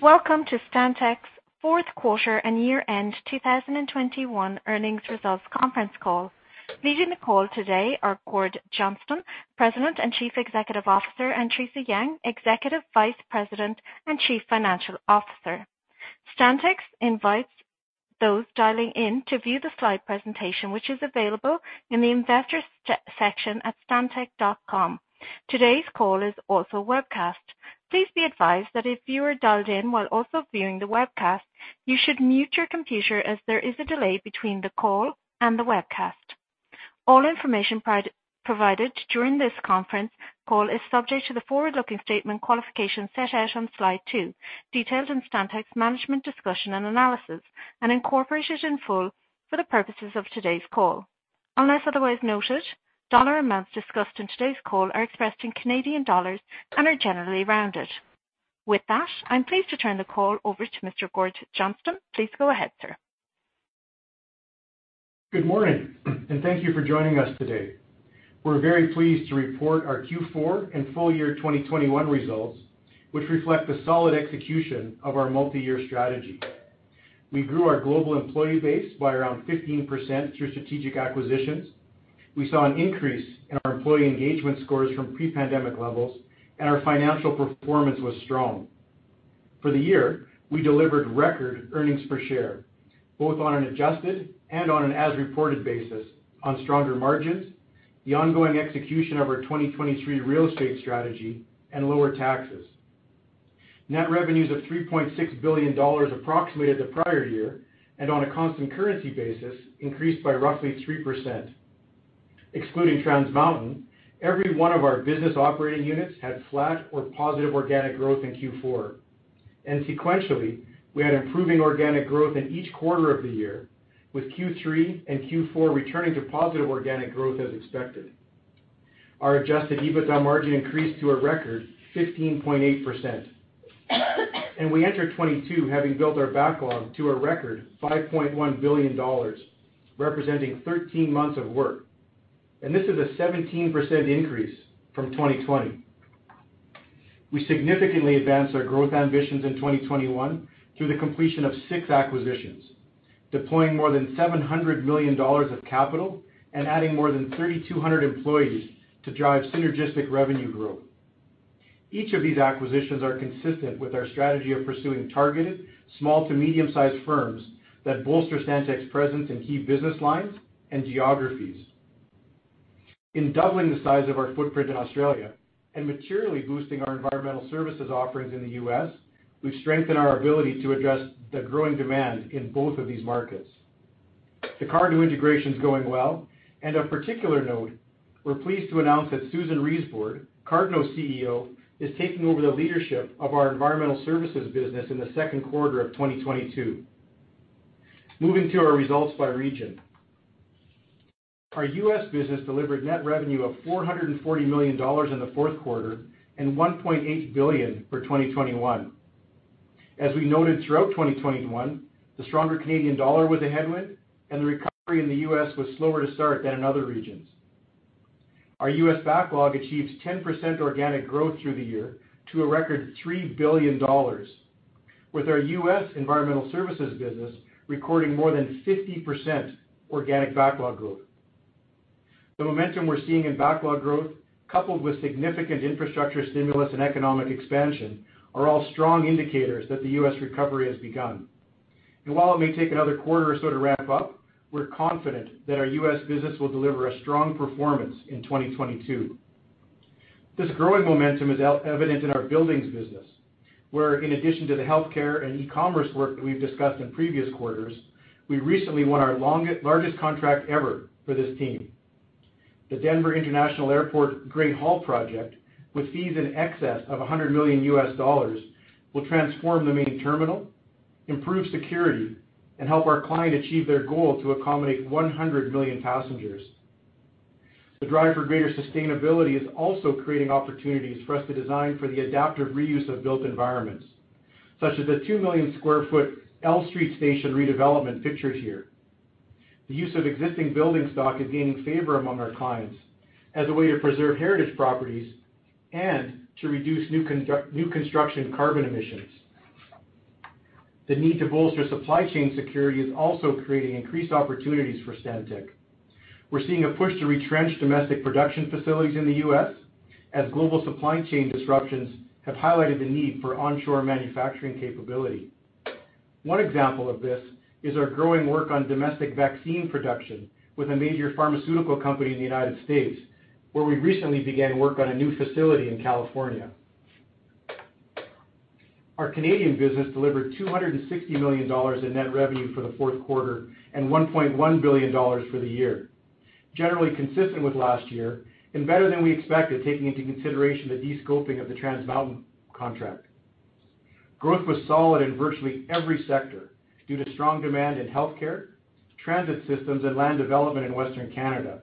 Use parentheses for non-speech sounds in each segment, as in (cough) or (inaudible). Welcome to Stantec's fourth quarter and year-end 2021 earnings results conference call. Leading the call today are Gord Johnston, President and Chief Executive Officer, and Theresa Jang, Executive Vice President and Chief Financial Officer. Stantec invites those dialing in to view the slide presentation, which is available in the investor section at stantec.com. Today's call is also webcast. Please be advised that if you are dialed in while also viewing the webcast, you should mute your computer as there is a delay between the call and the webcast. All information provided during this conference call is subject to the forward-looking statement qualification set out on slide two, detailed in Stantec's management discussion and analysis, and incorporated in full for the purposes of today's call. Unless otherwise noted, dollar amounts discussed in today's call are expressed in CAD and are generally rounded. With that, I'm pleased to turn the call over to Mr. Gord Johnston. Please go ahead, sir. Good morning, and thank you for joining us today. We're very pleased to report our Q4 and full year 2021 results, which reflect the solid execution of our multi-year strategy. We grew our global employee base by around 15% through strategic acquisitions. We saw an increase in our employee engagement scores from pre-pandemic levels, and our financial performance was strong. For the year, we delivered record earnings per share, both on an adjusted and on an as reported basis on stronger margins, the ongoing execution of our 2023 real estate strategy, and lower taxes. Net revenues of 3.6 billion dollars approximated the prior year, and on a constant currency basis, increased by roughly 3%. Excluding Trans Mountain, every one of our business operating units had flat or positive organic growth in Q4. Sequentially, we had improving organic growth in each quarter of the year, with Q3 and Q4 returning to positive organic growth as expected. Our adjusted EBITDA margin increased to a record 15.8%. We enter 2022 having built our backlog to a record 5.1 billion dollars, representing 13 months of work. This is a 17% increase from 2020. We significantly advanced our growth ambitions in 2021 through the completion of six acquisitions, deploying more than 700 million dollars of capital and adding more than 3,200 employees to drive synergistic revenue growth. Each of these acquisitions are consistent with our strategy of pursuing targeted small to medium-sized firms that bolster Stantec's presence in key business lines and geographies. In doubling the size of our footprint in Australia and materially boosting our environmental services offerings in the U.S., we've strengthened our ability to address the growing demand in both of these markets. The Cardno integration is going well, and of particular note, we're pleased to announce that Susan Reisbord, Cardno CEO, is taking over the leadership of our environmental services business in the second quarter of 2022. Moving to our results by region. Our U.S. business delivered net revenue of 440 million dollars in the fourth quarter and 1.8 billion for 2021. As we noted throughout 2021, the stronger Canadian dollar was a headwind and the recovery in the U.S. was slower to start than in other regions. Our U.S. backlog achieves 10% organic growth through the year to a record $3 billion, with our U.S. environmental services business recording more than 50% organic backlog growth. The momentum we're seeing in backlog growth, coupled with significant infrastructure stimulus and economic expansion, are all strong indicators that the U.S. recovery has begun. While it may take another quarter or so to ramp up, we're confident that our U.S. business will deliver a strong performance in 2022. This growing momentum is evident in our buildings business, where in addition to the healthcare and e-commerce work that we've discussed in previous quarters, we recently won our largest contract ever for this team. The Denver International Airport Great Hall project, with fees in excess of $100 million, will transform the main terminal, improve security, and help our client achieve their goal to accommodate 100 million passengers. The drive for greater sustainability is also creating opportunities for us to design for the adaptive reuse of built environments, such as a two million sq ft L Street Station redevelopment pictured here. The use of existing building stock is gaining favor among our clients as a way to preserve heritage properties and to reduce new construction carbon emissions. The need to bolster supply chain security is also creating increased opportunities for Stantec. We're seeing a push to retrench domestic production facilities in the U.S. as global supply chain disruptions have highlighted the need for onshore manufacturing capability. One example of this is our growing work on domestic vaccine production with a major pharmaceutical company in the U.S., where we recently began work on a new facility in California. Our Canadian business delivered 260 million dollars in net revenue for the fourth quarter and 1.1 billion dollars for the year. Generally consistent with last year and better than we expected, taking into consideration the descoping of the Trans Mountain contract. Growth was solid in virtually every sector due to strong demand in healthcare, transit systems, and land development in Western Canada.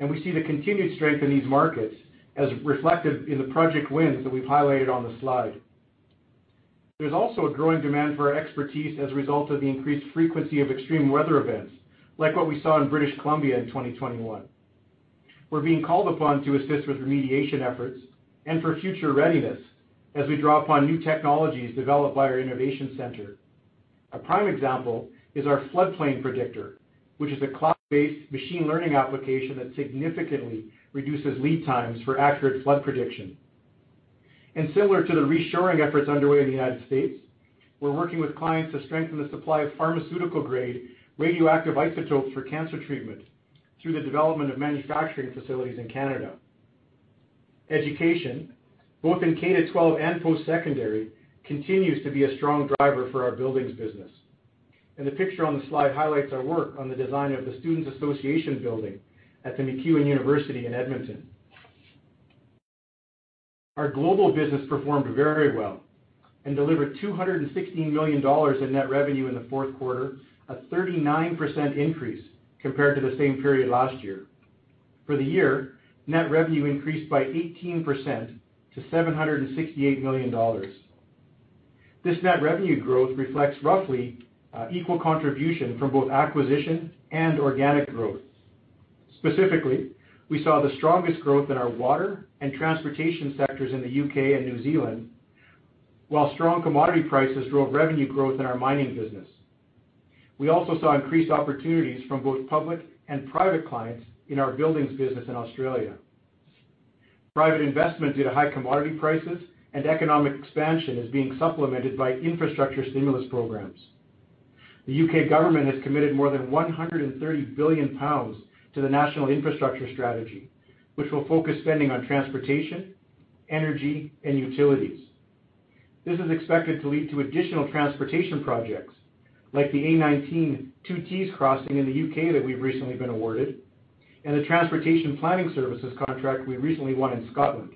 We see the continued strength in these markets as reflected in the project wins that we've highlighted on the slide. There's also a growing demand for our expertise as a result of the increased frequency of extreme weather events, like what we saw in British Columbia in 2021. We're being called upon to assist with remediation efforts and for future readiness as we draw upon new technologies developed by our innovation center. A prime example is our Flood Predictor, which is a cloud-based machine learning application that significantly reduces lead times for accurate flood prediction. Similar to the reshoring efforts underway in the U.S., we're working with clients to strengthen the supply of pharmaceutical-grade radioactive isotopes for cancer treatment through the development of manufacturing facilities in Canada. Education, both in K-12 and post-secondary, continues to be a strong driver for our buildings business. The picture on the slide highlights our work on the design of the Students Association building at the MacEwan University in Edmonton. Our global business performed very well and delivered 216 million dollars in net revenue in the fourth quarter, a 39% increase compared to the same period last year. For the year, net revenue increased by 18% to 768 million dollars. This net revenue growth reflects roughly equal contribution from both acquisition and organic growth. Specifically, we saw the strongest growth in our water and transportation sectors in the U.K. and New Zealand, while strong commodity prices drove revenue growth in our mining business. We also saw increased opportunities from both public and private clients in our buildings business in Australia. Private investment due to high commodity prices and economic expansion is being supplemented by infrastructure stimulus programs. The U.K. government has committed more than 130 billion pounds to the National Infrastructure Strategy, which will focus spending on transportation, energy, and utilities. This is expected to lead to additional transportation projects like the A19 Tees Crossing in the U.K. that we've recently been awarded and the transportation planning services contract we recently won in Scotland.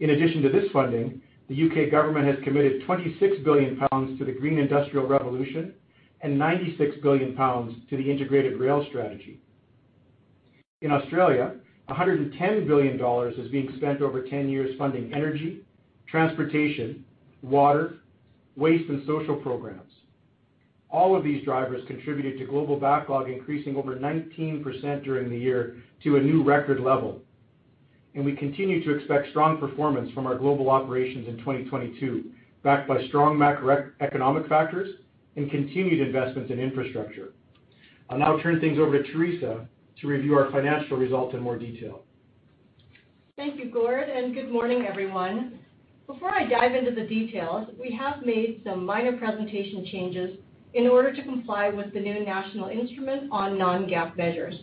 In addition to this funding, the U.K. government has committed 26 billion pounds to the Green Industrial Revolution and 96 billion pounds to the Integrated Rail Strategy. In Australia, 110 billion dollars is being spent over 10 years funding energy, transportation, water, waste, and social programs. All of these drivers contributed to global backlog increasing over 19% during the year to a new record level. We continue to expect strong performance from our global operations in 2022, backed by strong macroeconomic factors and continued investments in infrastructure. I'll now turn things over to Theresa to review our financial results in more detail. Thank you, Gord, and good morning, everyone. Before I dive into the details, we have made some minor presentation changes in order to comply with the new National Instrument on non-GAAP measures.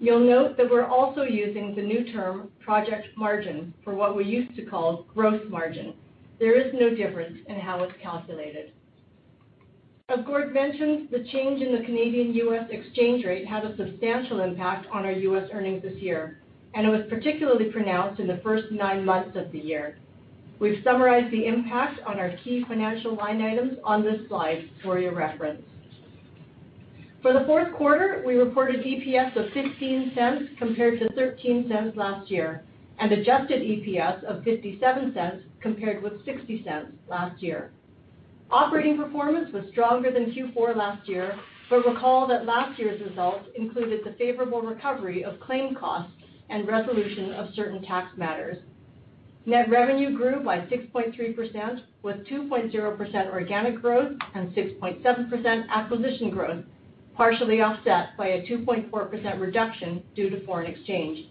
You'll note that we're also using the new term project margin for what we used to call gross margin. There is no difference in how it's calculated. As Gord mentioned, the change in the Canadian/U.S. exchange rate had a substantial impact on our U.S. earnings this year, and it was particularly pronounced in the first nine months of the year. We've summarized the impact on our key financial line items on this slide for your reference. For the fourth quarter, we reported EPS of 0.15 compared to 0.13 last year, and adjusted EPS of 0.57 compared with 0.60 last year. Operating performance was stronger than Q4 last year, but recall that last year's results included the favorable recovery of claim costs and resolution of certain tax matters. Net revenue grew by 6.3%, with 2.0% organic growth and 6.7% acquisition growth, partially offset by a 2.4% reduction due to foreign exchange.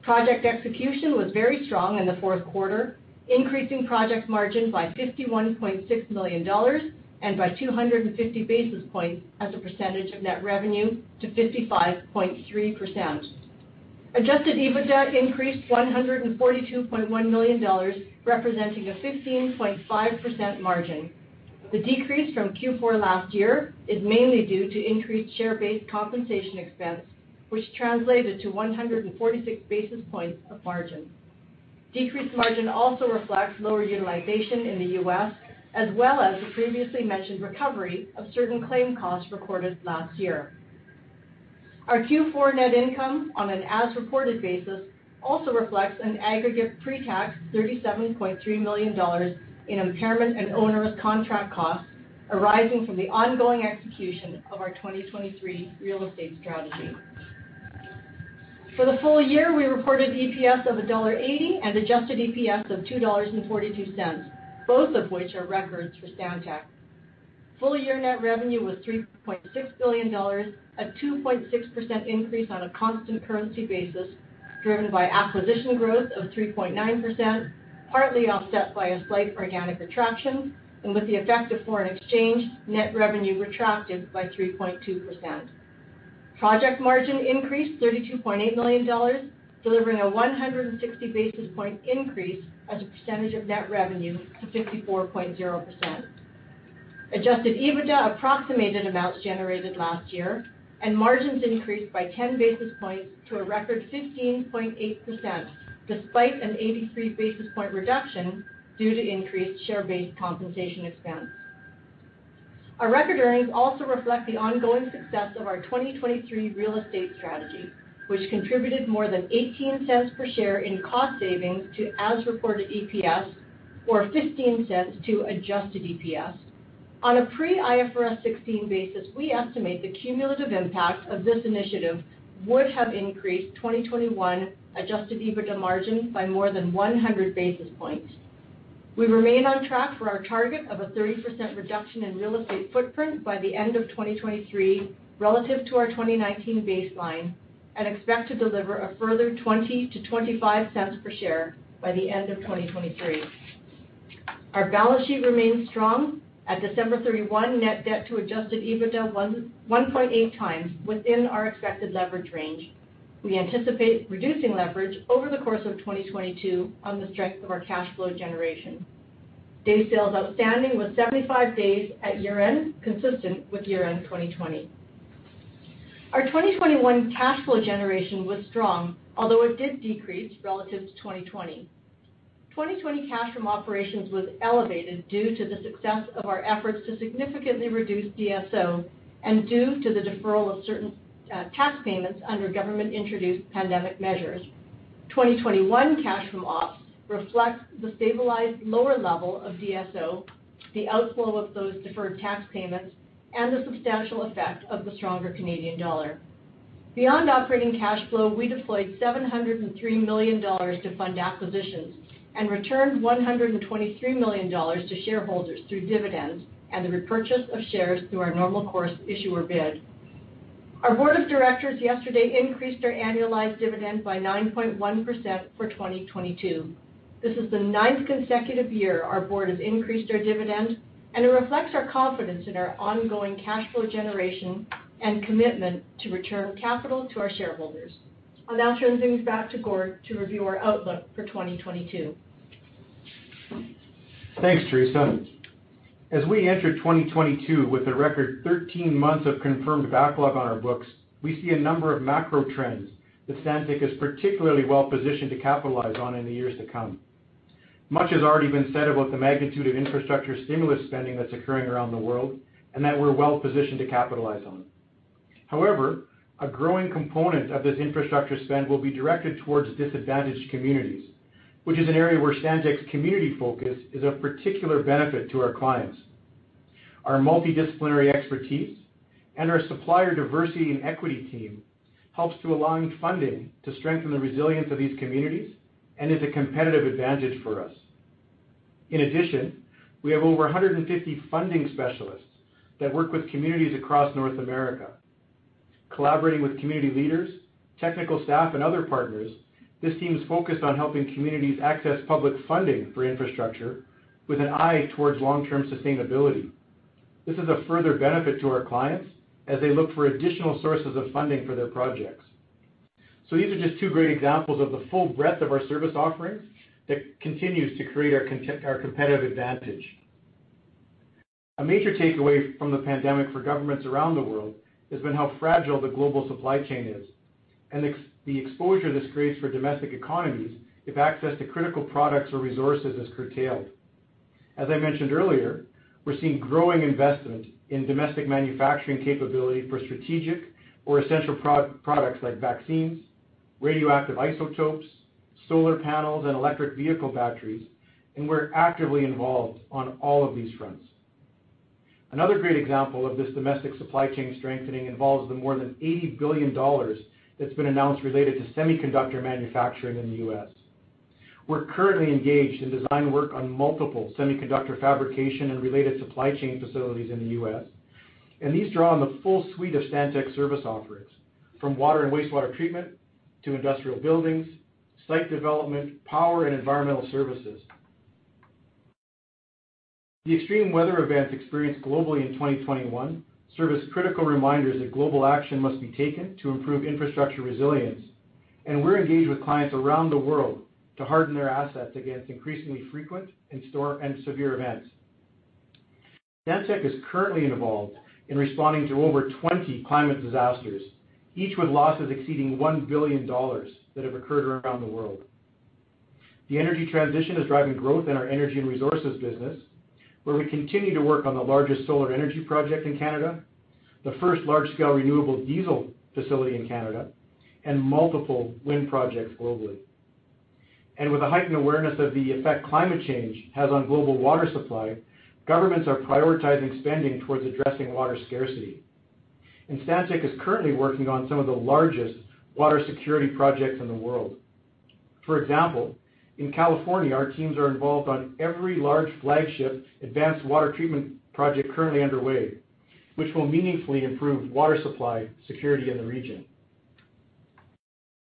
Project execution was very strong in the fourth quarter, increasing project margin by 51.6 million dollars and by 250 basis points as a percentage of net revenue to 55.3%. Adjusted EBITDA increased 142.1 million dollars, representing a 15.5% margin. The decrease from Q4 last year is mainly due to increased share-based compensation expense, which translated to 146 basis points of margin. Decreased margin also reflects lower utilization in the U.S. as well as the previously mentioned recovery of certain claim costs recorded last year. Our Q4 net income on an as-reported basis also reflects an aggregate pretax 37.3 million dollars in impairment and onerous contract costs arising from the ongoing execution of our 2023 real estate strategy. For the full year, we reported EPS of dollar 1.80 and adjusted EPS of 2.42 dollars, both of which are records for Stantec. Full-year net revenue was 3.6 billion dollars, a 2.6% increase on a constant currency basis, driven by acquisition growth of 3.9%, partly offset by a slight organic contraction, and with the effect of foreign exchange, net revenue contracted by 3.2%. Project margin increased 32.8 million dollars, delivering a 160 basis point increase as a percentage of net revenue to 54.0%. Adjusted EBITDA approximated amounts generated last year, and margins increased by 10 basis points to a record 15.8%, despite an 83 basis point reduction due to increased share-based compensation expense. Our record earnings also reflect the ongoing success of our 2023 real estate strategy, which contributed more than 0.18 per share in cost savings to as-reported EPS or 0.15 to adjusted EPS. On a pre-IFRS 16 basis, we estimate the cumulative impact of this initiative would have increased 2021 adjusted EBITDA margin by more than 100 basis points. We remain on track for our target of a 30% reduction in real estate footprint by the end of 2023 relative to our 2019 baseline and expect to deliver a further 20-25 cents per share by the end of 2023. Our balance sheet remains strong. At December 31, net debt to adjusted EBITDA was 1.8x within our expected leverage range. We anticipate reducing leverage over the course of 2022 on the strength of our cash flow generation. Day sales outstanding was 75 days at year-end, consistent with year-end 2020. Our 2021 cash flow generation was strong, although it did decrease relative to 2020. 2020 cash from operations was elevated due to the success of our efforts to significantly reduce DSO and due to the deferral of certain tax payments under government-introduced pandemic measures. 2021 cash from ops reflects the stabilized lower level of DSO, the outflow of those deferred tax payments, and the substantial effect of the stronger Canadian dollar. Beyond operating cash flow, we deployed 703 million dollars to fund acquisitions and returned 123 million dollars to shareholders through dividends and the repurchase of shares through our normal course issuer bid. Our board of directors yesterday increased our annualized dividend by 9.1% for 2022. This is the ninth consecutive year our board has increased our dividend, and it reflects our confidence in our ongoing cash flow generation and commitment to return capital to our shareholders. I'll now turn things back to Gord to review our outlook for 2022. Thanks, Theresa. As we enter 2022 with a record 13 months of confirmed backlog on our books, we see a number of macro trends that Stantec is particularly well-positioned to capitalize on in the years to come. Much has already been said about the magnitude of infrastructure stimulus spending that's occurring around the world, and that we're well-positioned to capitalize on. However, a growing component of this infrastructure spend will be directed towards disadvantaged communities, which is an area where Stantec's community focus is of particular benefit to our clients. Our multidisciplinary expertise and our supplier diversity and equity team helps to align funding to strengthen the resilience of these communities and is a competitive advantage for us. In addition, we have over 150 funding specialists that work with communities across North America. Collaborating with community leaders, technical staff, and other partners, this team is focused on helping communities access public funding for infrastructure with an eye towards long-term sustainability. This is a further benefit to our clients as they look for additional sources of funding for their projects. These are just two great examples of the full breadth of our service offerings that continues to create our competitive advantage. A major takeaway from the pandemic for governments around the world has been how fragile the global supply chain is, and the exposure this creates for domestic economies if access to critical products or resources is curtailed. As I mentioned earlier, we're seeing growing investment in domestic manufacturing capability for strategic or essential products like vaccines, radioactive isotopes, solar panels, and electric vehicle batteries, and we're actively involved on all of these fronts. Another great example of this domestic supply chain strengthening involves the more than $80 billion that's been announced related to semiconductor manufacturing in the U.S. We're currently engaged in design work on multiple semiconductor fabrication and related supply chain facilities in the U.S., and these draw on the full suite of Stantec service offerings, from water and wastewater treatment to industrial buildings, site development, power and environmental services. The extreme weather events experienced globally in 2021 serve as critical reminders that global action must be taken to improve infrastructure resilience, and we're engaged with clients around the world to harden their assets against increasingly frequent and severe events. Stantec is currently involved in responding to over 20 climate disasters, each with losses exceeding $1 billion that have occurred around the world. The energy transition is driving growth in our energy and resources business, where we continue to work on the largest solar energy project in Canada, the first large-scale renewable diesel facility in Canada, and multiple wind projects globally. With a heightened awareness of the effect climate change has on global water supply, governments are prioritizing spending towards addressing water scarcity, and Stantec is currently working on some of the largest water security projects in the world. For example, in California, our teams are involved on every large flagship advanced water treatment project currently underway, which will meaningfully improve water supply security in the region.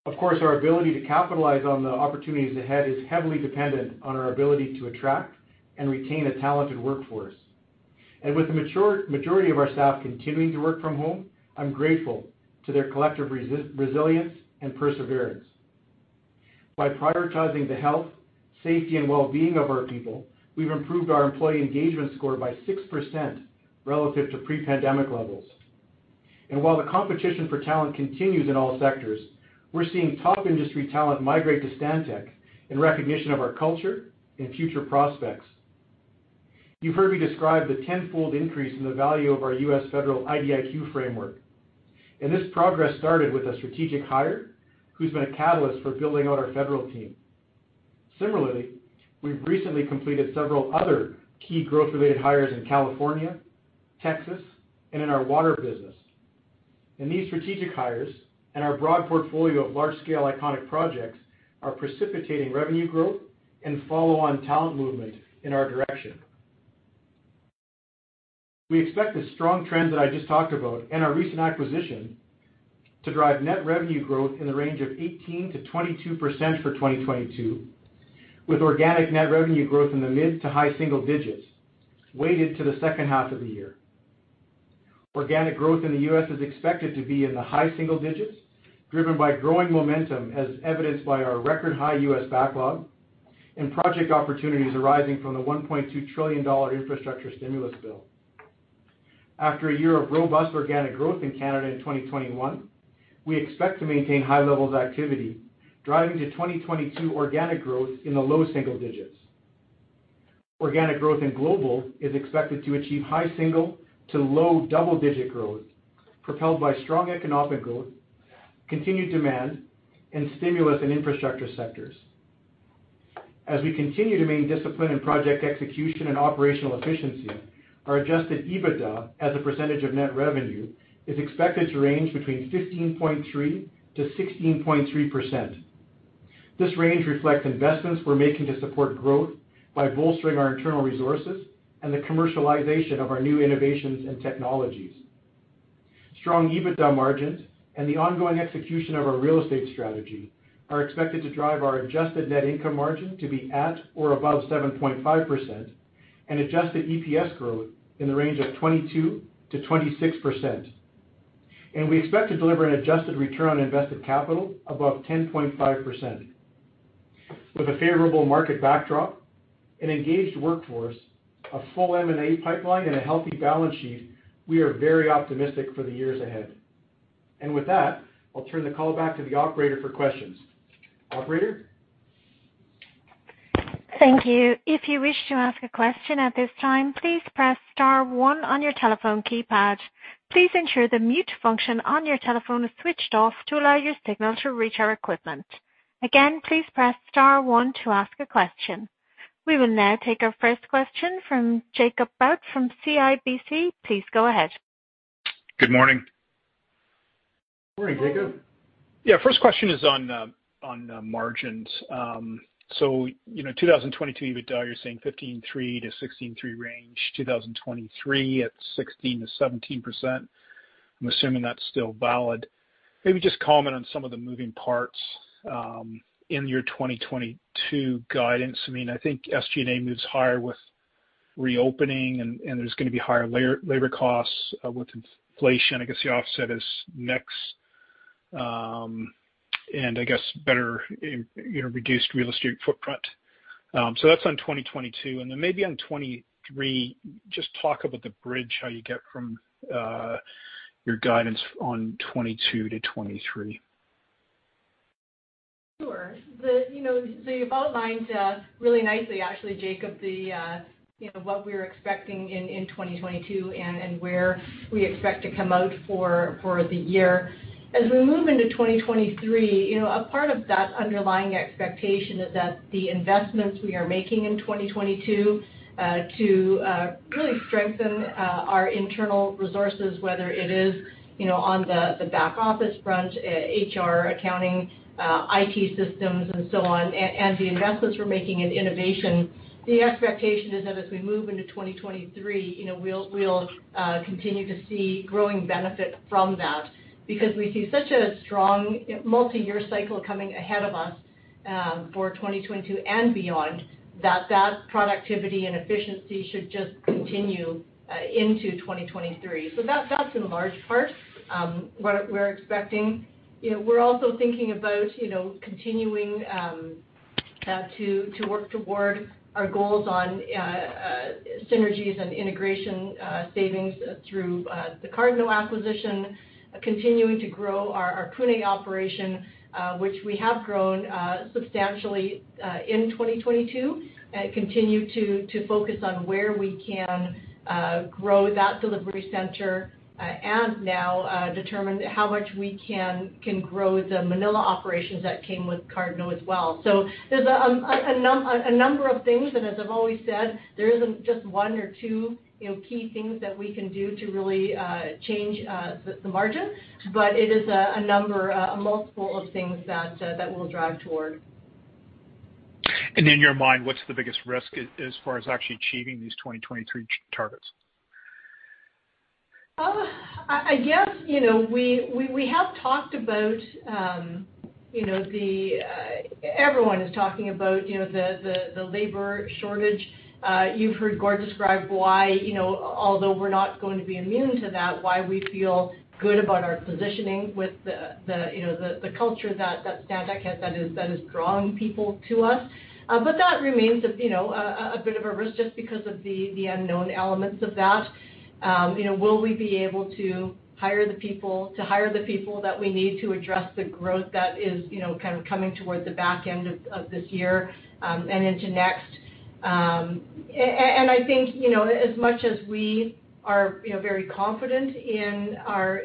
Of course, our ability to capitalize on the opportunities ahead is heavily dependent on our ability to attract and retain a talented workforce. With the majority of our staff continuing to work from home, I'm grateful to their collective resilience and perseverance. By prioritizing the health, safety, and well-being of our people, we've improved our employee engagement score by 6% relative to pre-pandemic levels. While the competition for talent continues in all sectors, we're seeing top industry talent migrate to Stantec in recognition of our culture and future prospects. You've heard me describe the tenfold increase in the value of our U.S. Federal IDIQ framework, and this progress started with a strategic hire who's been a catalyst for building out our federal team. Similarly, we've recently completed several other key growth-related hires in California, Texas, and in our water business. These strategic hires and our broad portfolio of large-scale iconic projects are precipitating revenue growth and follow on talent movement in our direction. We expect the strong trends that I just talked about and our recent acquisition to drive net revenue growth in the range of 18%-22% for 2022, with organic net revenue growth in the mid to high single digits, weighted to the second half of the year. Organic growth in the U.S. is expected to be in the high single digits, driven by growing momentum as evidenced by our record high U.S. backlog and project opportunities arising from the $1.2 trillion dollar infrastructure stimulus bill. After a year of robust organic growth in Canada in 2021, we expect to maintain high levels of activity, driving to 2022 organic growth in the low single digits. Organic growth in Global is expected to achieve high single- to low double-digit growth, propelled by strong economic growth, continued demand and stimulus in infrastructure sectors. As we continue to remain disciplined in project execution and operational efficiency, our adjusted EBITDA as a percentage of net revenue is expected to range between 15.3%-16.3%. This range reflects investments we're making to support growth by bolstering our internal resources and the commercialization of our new innovations and technologies. Strong EBITDA margins and the ongoing execution of our real estate strategy are expected to drive our adjusted net income margin to be at or above 7.5% and adjusted EPS growth in the range of 22%-26%. We expect to deliver an adjusted return on invested capital above 10.5%. With a favorable market backdrop, an engaged workforce, a full M&A pipeline, and a healthy balance sheet, we are very optimistic for the years ahead. With that, I'll turn the call back to the operator for questions. Operator? Thank you. If you wish to ask a question at this time, please press star one on your telephone keypad. Please ensure the mute function on your telephone is switched off to allow your signal to reach our equipment. Again, please press star one to ask a question. We will now take our first question from Jacob Bout from CIBC. Please go ahead. Good morning. Morning, Jacob. Yeah, first question is on margins. So, you know, 2022 EBITDA, you're saying 15.3%-16.3% range. 2023 at 16%-17%. I'm assuming that's still valid. Maybe just comment on some of the moving parts in your 2022 guidance. I mean, I think SG&A moves higher with reopening and there's gonna be higher labor costs with inflation. I guess the offset is next and I guess better, you know, reduced real estate footprint. So that's on 2022. Then maybe on 2023, just talk about the bridge, how you get from your guidance on 2022 to 2023. Sure. You know, the outline's really nicely actually, Jacob, you know, what we're expecting in 2022 and where we expect to come out for the year. As we move into 2023, you know, a part of that underlying expectation is that the investments we are making in 2022 to really strengthen our internal resources, whether it is, you know, on the back office front, HR, accounting, IT systems and so on, and the investments we're making in innovation. The expectation is that as we move into 2023, you know, we'll continue to see growing benefit from that because we see such a strong multi-year cycle coming ahead of us for 2022 and beyond that productivity and efficiency should just continue into 2023. That's in large part what we're expecting. You know, we're also thinking about, you know, continuing to work toward our goals on synergies and integration savings through the Cardno acquisition, continuing to grow our Pune operation, which we have grown substantially in 2022. Continue to focus on where we can grow that delivery center, and now determine how much we can grow the Manila operations that came with Cardno as well. There's a number of things, and as I've always said, there isn't just one or two, you know, key things that we can do to really change the margin. It is a number, a multiple of things that we'll drive toward. In your mind, what's the biggest risk as far as actually achieving these 2023 targets? I guess, you know, we have talked about, you know, everyone is talking about, you know, the labor shortage. You've heard Gord describe why, you know, although we're not going to be immune to that, why we feel good about our positioning with the, you know, the culture that Stantec has that is drawing people to us. That remains, you know, a bit of a risk just because of the unknown elements of that. You know, will we be able to hire the people that we need to address the growth that is, you know, kind of coming towards the back end of this year, and into next? I think, you know, as much as we are, you know, very confident in our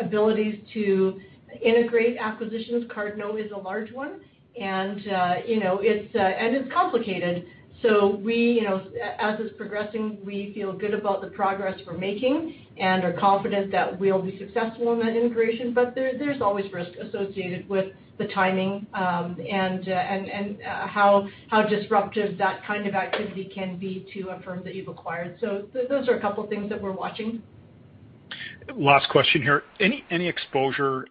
abilities to integrate acquisitions, Cardno is a large one and, you know, it's complicated. We, you know, as it's progressing, we feel good about the progress we're making and are confident that we'll be successful in that integration. There's always risk associated with the timing, and how disruptive that kind of activity can be to a firm that you've acquired. Those are a couple things that we're watching. Last question here. Any exposure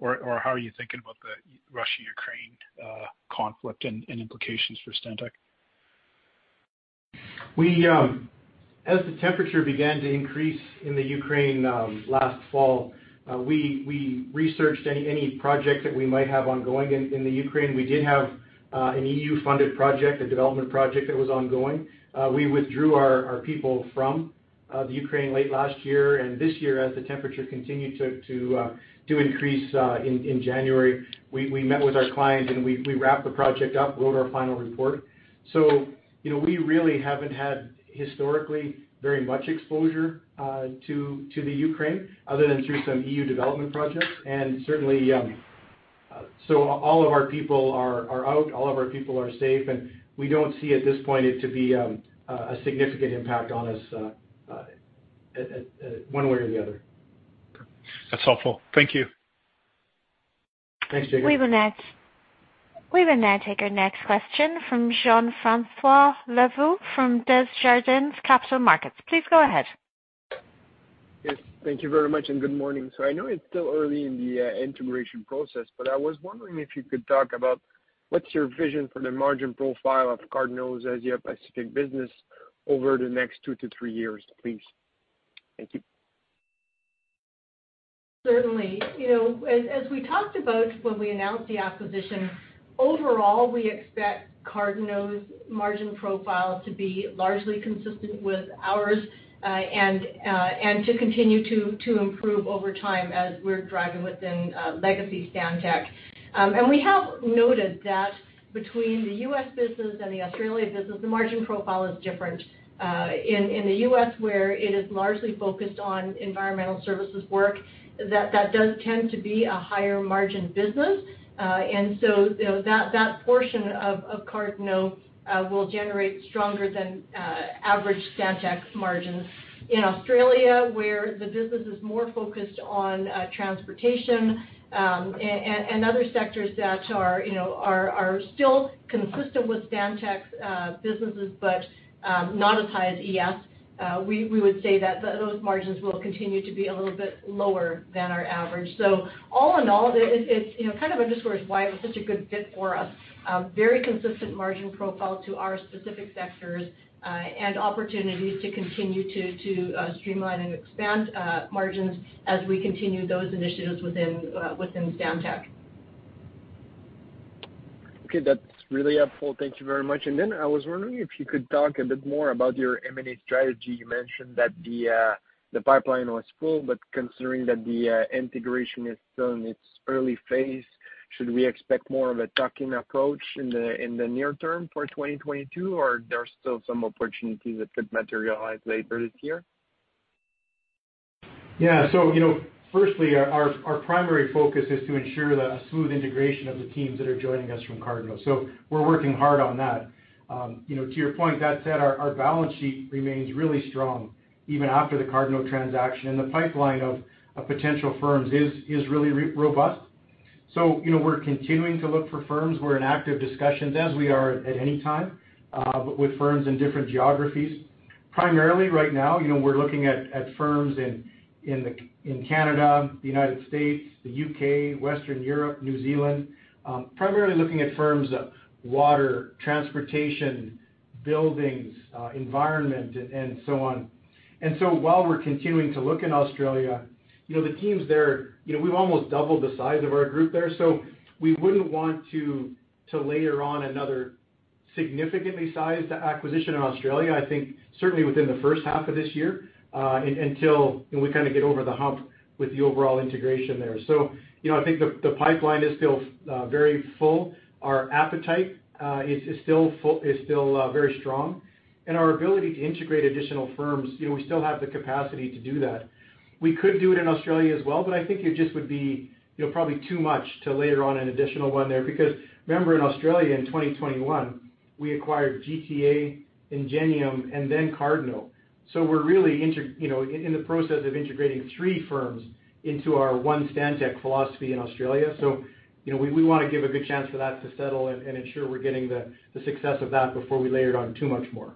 or how are you thinking about the Russia-Ukraine conflict and implications for Stantec? We, as the temperature began to increase in the Ukraine last fall, we researched any project that we might have ongoing in the Ukraine. We did have an EU-funded project, a development project that was ongoing. We withdrew our people from the Ukraine late last year. This year, as the temperature continued to increase in January, we met with our clients, and we wrapped the project up, wrote our final report. You know, we really haven't had historically very much exposure to the Ukraine other than through some EU development projects. Certainly, all of our people are out, all of our people are safe, and we don't see at this point it to be a significant impact on us, one way or the other. That's helpful. Thank you. Thanks, Jacob. We will now take our next question from Jean-François Lavoie from Desjardins Capital Markets. Please go ahead. Yes, thank you very much, and good morning. I know it's still early in the integration process, but I was wondering if you could talk about what's your vision for the margin profile of Cardno's Asia-Pacific business over the next two to three years, please? Thank you. Certainly. You know, as we talked about when we announced the acquisition, overall, we expect Cardno's margin profile to be largely consistent with ours, and to continue to improve over time as we're driving within legacy Stantec. We have noted that between the U.S. business and the Australia business, the margin profile is different. In the U.S., where it is largely focused on environmental services work, that does tend to be a higher margin business. You know, that portion of Cardno will generate stronger than average Stantec's margins. In Australia, where the business is more focused on transportation and other sectors that are, you know, are still consistent with Stantec's businesses but not as high as ES, we would say that those margins will continue to be a little bit lower than our average. All in all, it you know kind of underscores why it was such a good fit for us. Very consistent margin profile to our specific sectors and opportunities to continue to streamline and expand margins as we continue those initiatives within Stantec. Okay. That's really helpful. Thank you very much. I was wondering if you could talk a bit more about your M&A strategy. You mentioned that the pipeline was full, but considering that the integration is still in its early phase, should we expect more of a tuck-in approach in the near term for 2022, or there are still some opportunities that could materialize later this year? Yeah. Our primary focus is to ensure that a smooth integration of the teams that are joining us from Cardno. We're working hard on that. You know, to your point, that said, our balance sheet remains really strong even after the Cardno transaction, and the pipeline of potential firms is really robust. You know, we're continuing to look for firms. We're in active discussions, as we are at any time, but with firms in different geographies. Primarily right now, you know, we're looking at firms in Canada, the U.S., the U.K., Western Europe, New Zealand. Primarily looking at firms, water, transportation, buildings, environment, and so on. While we're continuing to look in Australia, you know, the teams there, you know, we've almost doubled the size of our group there. We wouldn't want to layer on another significantly sized acquisition in Australia, I think, certainly within the first half of this year, until you know, we kind of get over the hump with the overall integration there. You know, I think the pipeline is still very full. Our appetite is still very strong. Our ability to integrate additional firms, you know, we still have the capacity to do that. We could do it in Australia as well, but I think it just would be, you know, probably too much to layer on an additional one there. Because remember, in Australia in 2021, we acquired GTA, Engenium, and then Cardno. We're really in the process of integrating three firms into our one Stantec philosophy in Australia. You know, we wanna give a good chance for that to settle and ensure we're getting the success of that before we layer on too much more.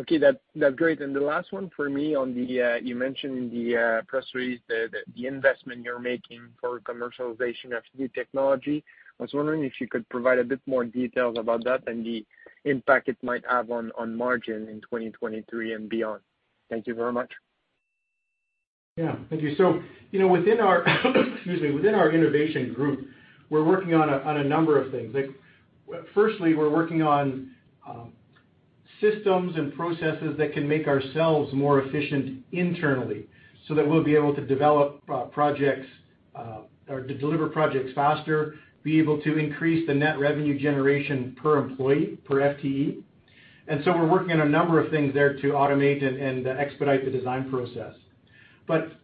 Okay. That's great. The last one for me on the one you mentioned in the press release, the investment you're making for commercialization of new technology. I was wondering if you could provide a bit more details about that and the impact it might have on margin in 2023 and beyond. Thank you very much. Yeah. Thank you. You know, within our innovation group, we're working on a number of things. Like, firstly, we're working on systems and processes that can make ourselves more efficient internally so that we'll be able to develop projects or to deliver projects faster, be able to increase the net revenue generation per employee, per FTE. We're working on a number of things there to automate and expedite the design process.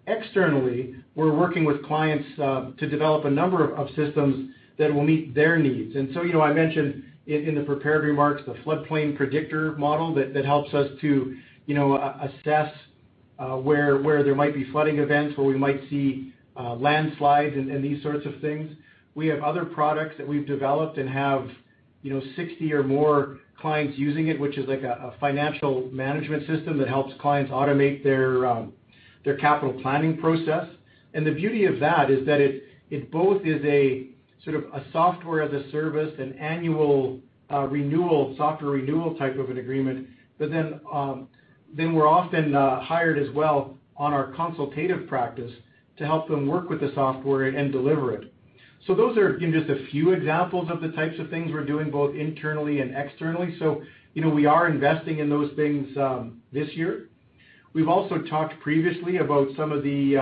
Externally, we're working with clients to develop a number of systems that will meet their needs. You know, I mentioned in the prepared remarks, the Flood Predictor model that helps us to, you know, assess where there might be flooding events, where we might see landslides and these sorts of things. We have other products that we've developed and have, you know, 60 or more clients using it, which is like a financial management system that helps clients automate their capital planning process. The beauty of that is that it both is a sort of a software as a service, an annual renewal, software renewal type of an agreement. Then we're often hired as well on our consultative practice to help them work with the software and deliver it. Those are, you know, just a few examples of the types of things we're doing both internally and externally. We are investing in those things this year. We've also talked previously about some of the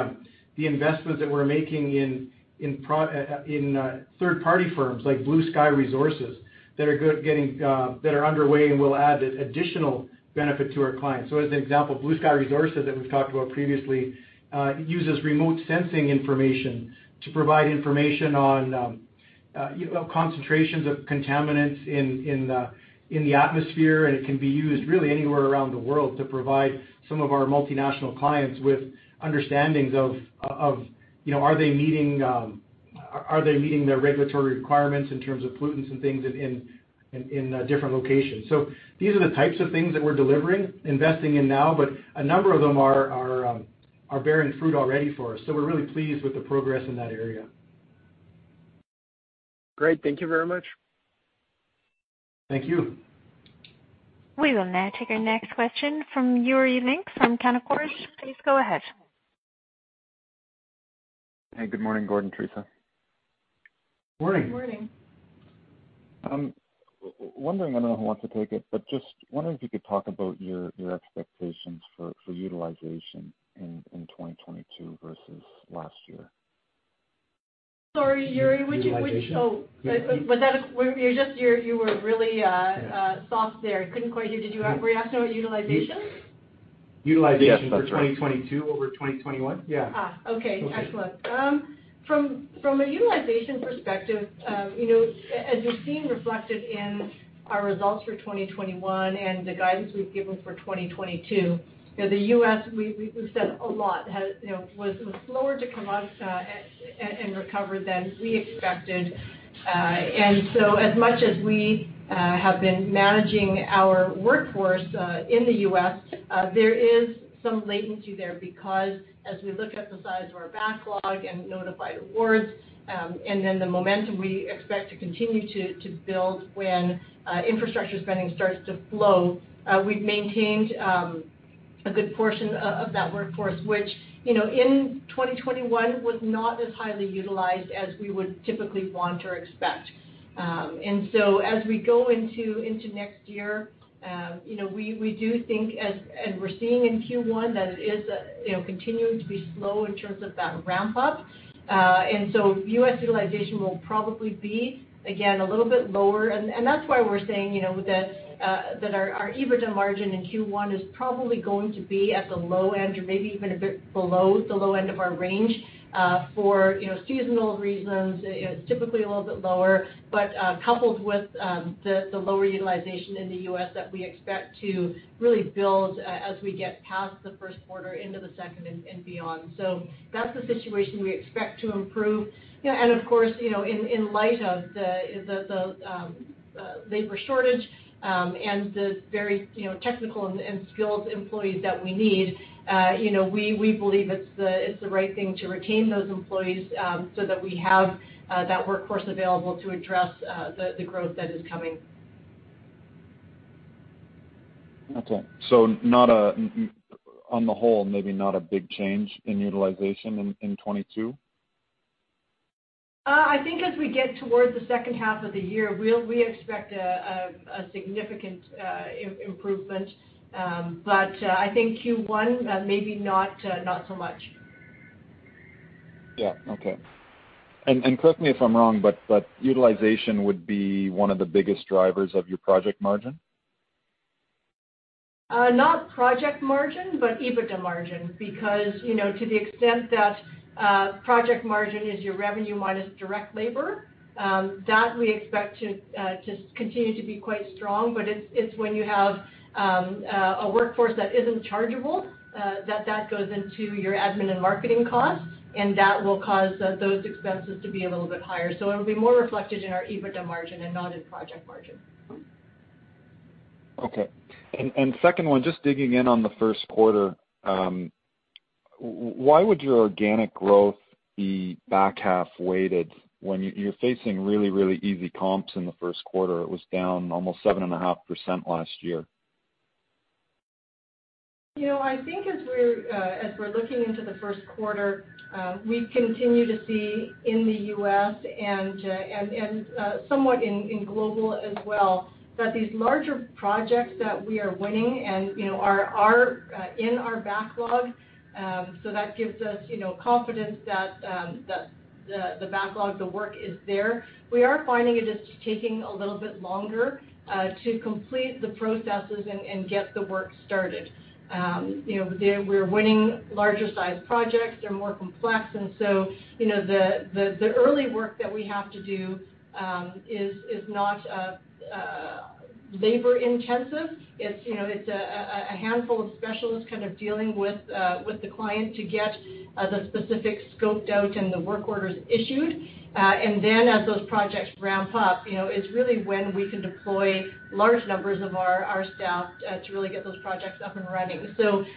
investments that we're making in third-party firms like BlueSky Resources that are underway and will add additional benefit to our clients. As an example, BlueSky Resources that we've talked about previously uses remote sensing information to provide information on you know concentrations of contaminants in the atmosphere, and it can be used really anywhere around the world to provide some of our multinational clients with understandings of you know are they meeting their regulatory requirements in terms of pollutants and things in different locations? These are the types of things that we're delivering, investing in now, but a number of them are bearing fruit already for us. We're really pleased with the progress in that area. Great. Thank you very much. Thank you. We will now take our next question from Yuri Lynk from Canaccord. Please go ahead. Hey, good morning, Gord, Theresa. Morning. Morning. Wondering, I don't know who wants to take it, but just wondering if you could talk about your expectations for utilization in 2022 versus last year? Sorry, Yuri. Would you. (crosstalk) Utilization. Oh, you were really soft there. Couldn't quite hear. Were you asking about utilization? Yes, that's right. Utilization for 2022 over 2021? Yeah. Okay. Excellent. From a utilization perspective, you know, as you've seen reflected in our results for 2021 and the guidance we've given for 2022, you know, the U.S., we've said a lot, was slower to come out and recover than we expected. As much as we have been managing our workforce in the U.S., there is some latency there because as we look at the size of our backlog and notified awards, and then the momentum we expect to continue to build when infrastructure spending starts to flow, we've maintained a good portion of that workforce, which, you know, in 2021 was not as highly utilized as we would typically want or expect. As we go into next year, you know, we do think as we're seeing in Q1, that it is continuing to be slow in terms of that ramp-up. U.S. utilization will probably be, again, a little bit lower. That's why we're saying, you know, that our EBITDA margin in Q1 is probably going to be at the low end or maybe even a bit below the low end of our range, for you know, seasonal reasons. It's typically a little bit lower. Coupled with the lower utilization in the U.S. That we expect to really build as we get past the first quarter into the second and beyond. That's the situation we expect to improve. You know, and of course, you know, in light of the labor shortage, and the very, you know, technical and skilled employees that we need, you know, we believe it's the right thing to retain those employees, so that we have that workforce available to address the growth that is coming. On the whole, maybe not a big change in utilization in 2022? I think as we get towards the second half of the year, we expect a significant improvement. I think Q1 maybe not so much. Yeah. Okay. Correct me if I'm wrong, but utilization would be one of the biggest drivers of your project margin? Not project margin, but EBITDA margin because, you know, to the extent that project margin is your revenue minus direct labor, that we expect to continue to be quite strong. It's when you have a workforce that isn't chargeable, that goes into your admin and marketing costs, and that will cause those expenses to be a little bit higher. It'll be more reflected in our EBITDA margin and not in project margin. Okay. Second one, just digging in on the first quarter, why would your organic growth be back half weighted when you're facing really easy comps in the first quarter? It was down almost 7.5% last year. You know, I think as we're looking into the first quarter, we continue to see in the U.S. and somewhat in global as well, that these larger projects that we are winning and, you know, are in our backlog. So that gives us, you know, confidence that the backlog, the work is there. We are finding it is taking a little bit longer to complete the processes and get the work started. You know, we're winning larger sized projects, they're more complex, and so, you know, the early work that we have to do is not labor intensive. It's, you know, a handful of specialists kind of dealing with the client to get the specifics scoped out and the work orders issued. Then as those projects ramp up, you know, it's really when we can deploy large numbers of our staff to really get those projects up and running.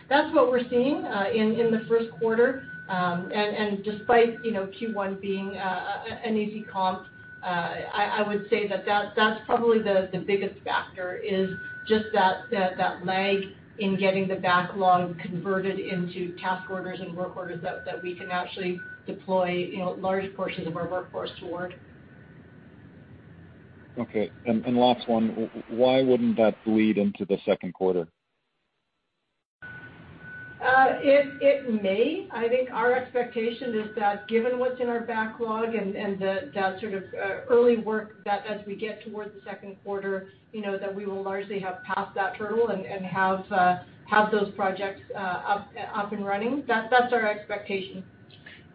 That's what we're seeing in the first quarter. Despite, you know, Q1 being an easy comp, I would say that's probably the biggest factor is just that lag in getting the backlog converted into task orders and work orders that we can actually deploy, you know, large portions of our workforce toward. Okay. Last one, why wouldn't that bleed into the second quarter? It may. I think our expectation is that given what's in our backlog and the sort of early work that as we get towards the second quarter, you know, that we will largely have passed that hurdle and have those projects up and running. That's our expectation.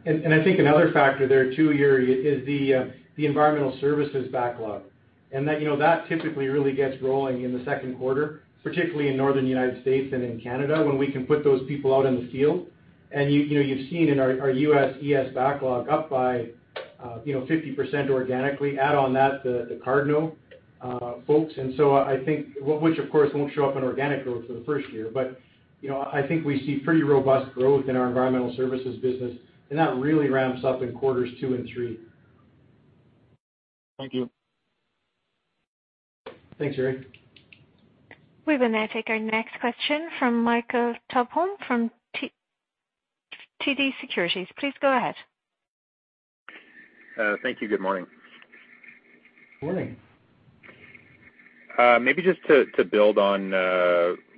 I think another factor there too, Yuri, is the environmental services backlog. That, you know, typically really gets rolling in the second quarter, particularly in northern U.S. and in Canada, when we can put those people out in the field. You know, you've seen in our U.S. ES backlog up by, you know, 50% organically. Add on that the Cardno folks. I think, well, which of course won't show up in organic growth for the first year. You know, I think we see pretty robust growth in our environmental services business, and that really ramps up in quarters two and three. Thank you. Thanks, Yuri. We will now take our next question from Michael Tupholme from TD Securities. Please go ahead. Thank you. Good morning. Morning. Maybe just to build on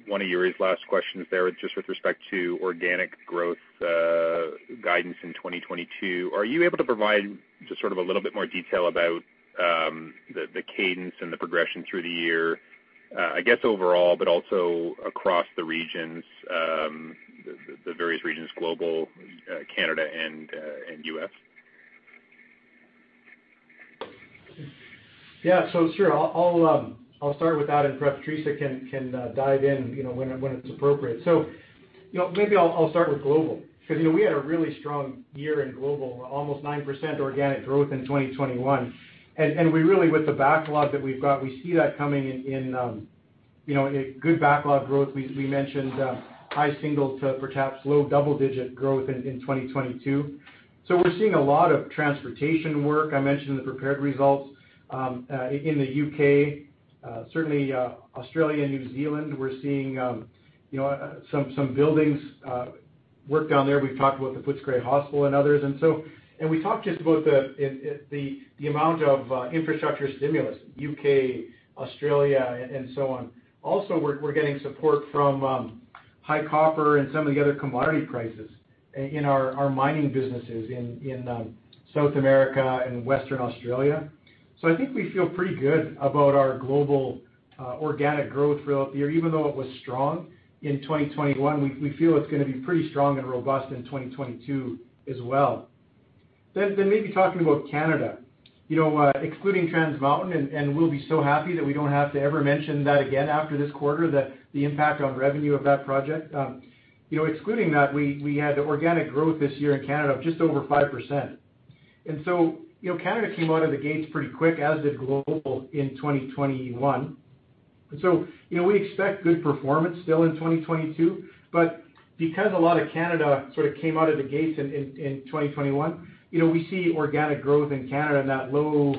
one of Yuri's last questions there, just with respect to organic growth guidance in 2022. Are you able to provide just sort of a little bit more detail about the cadence and the progression through the year, I guess overall, but also across the regions, the various regions, Global, Canada, and U.S.? Yeah. Sure. I'll start with that, and perhaps Theresa can dive in, you know, when it's appropriate. You know, maybe I'll start with Global because, you know, we had a really strong year in Global, almost 9% organic growth in 2021. We really, with the backlog that we've got, see that coming in, you know, a good backlog growth. We mentioned high single to [upper tops] low double-digit growth in 2022. We're seeing a lot of transportation work. I mentioned the preferred routes in the U.K., certainly Australia and New Zealand. We're seeing, you know, some buildings work down there. We've talked about the Footscray Hospital and others. We talked just about the amount of infrastructure stimulus, U.K., Australia, and so on. We're getting support from high copper and some of the other commodity prices in our mining businesses in South America and Western Australia. I think we feel pretty good about our global organic growth throughout the year. Even though it was strong in 2021, we feel it's gonna be pretty strong and robust in 2022 as well. Maybe talking about Canada. You know, excluding Trans Mountain, and we'll be so happy that we don't have to ever mention that again after this quarter, the impact on revenue of that project. You know, excluding that, we had organic growth this year in Canada of just over 5%. You know, Canada came out of the gates pretty quick as did global in 2021. You know, we expect good performance still in 2022. Because a lot of Canada sort of came out of the gates in 2021, you know, we see organic growth in Canada in that low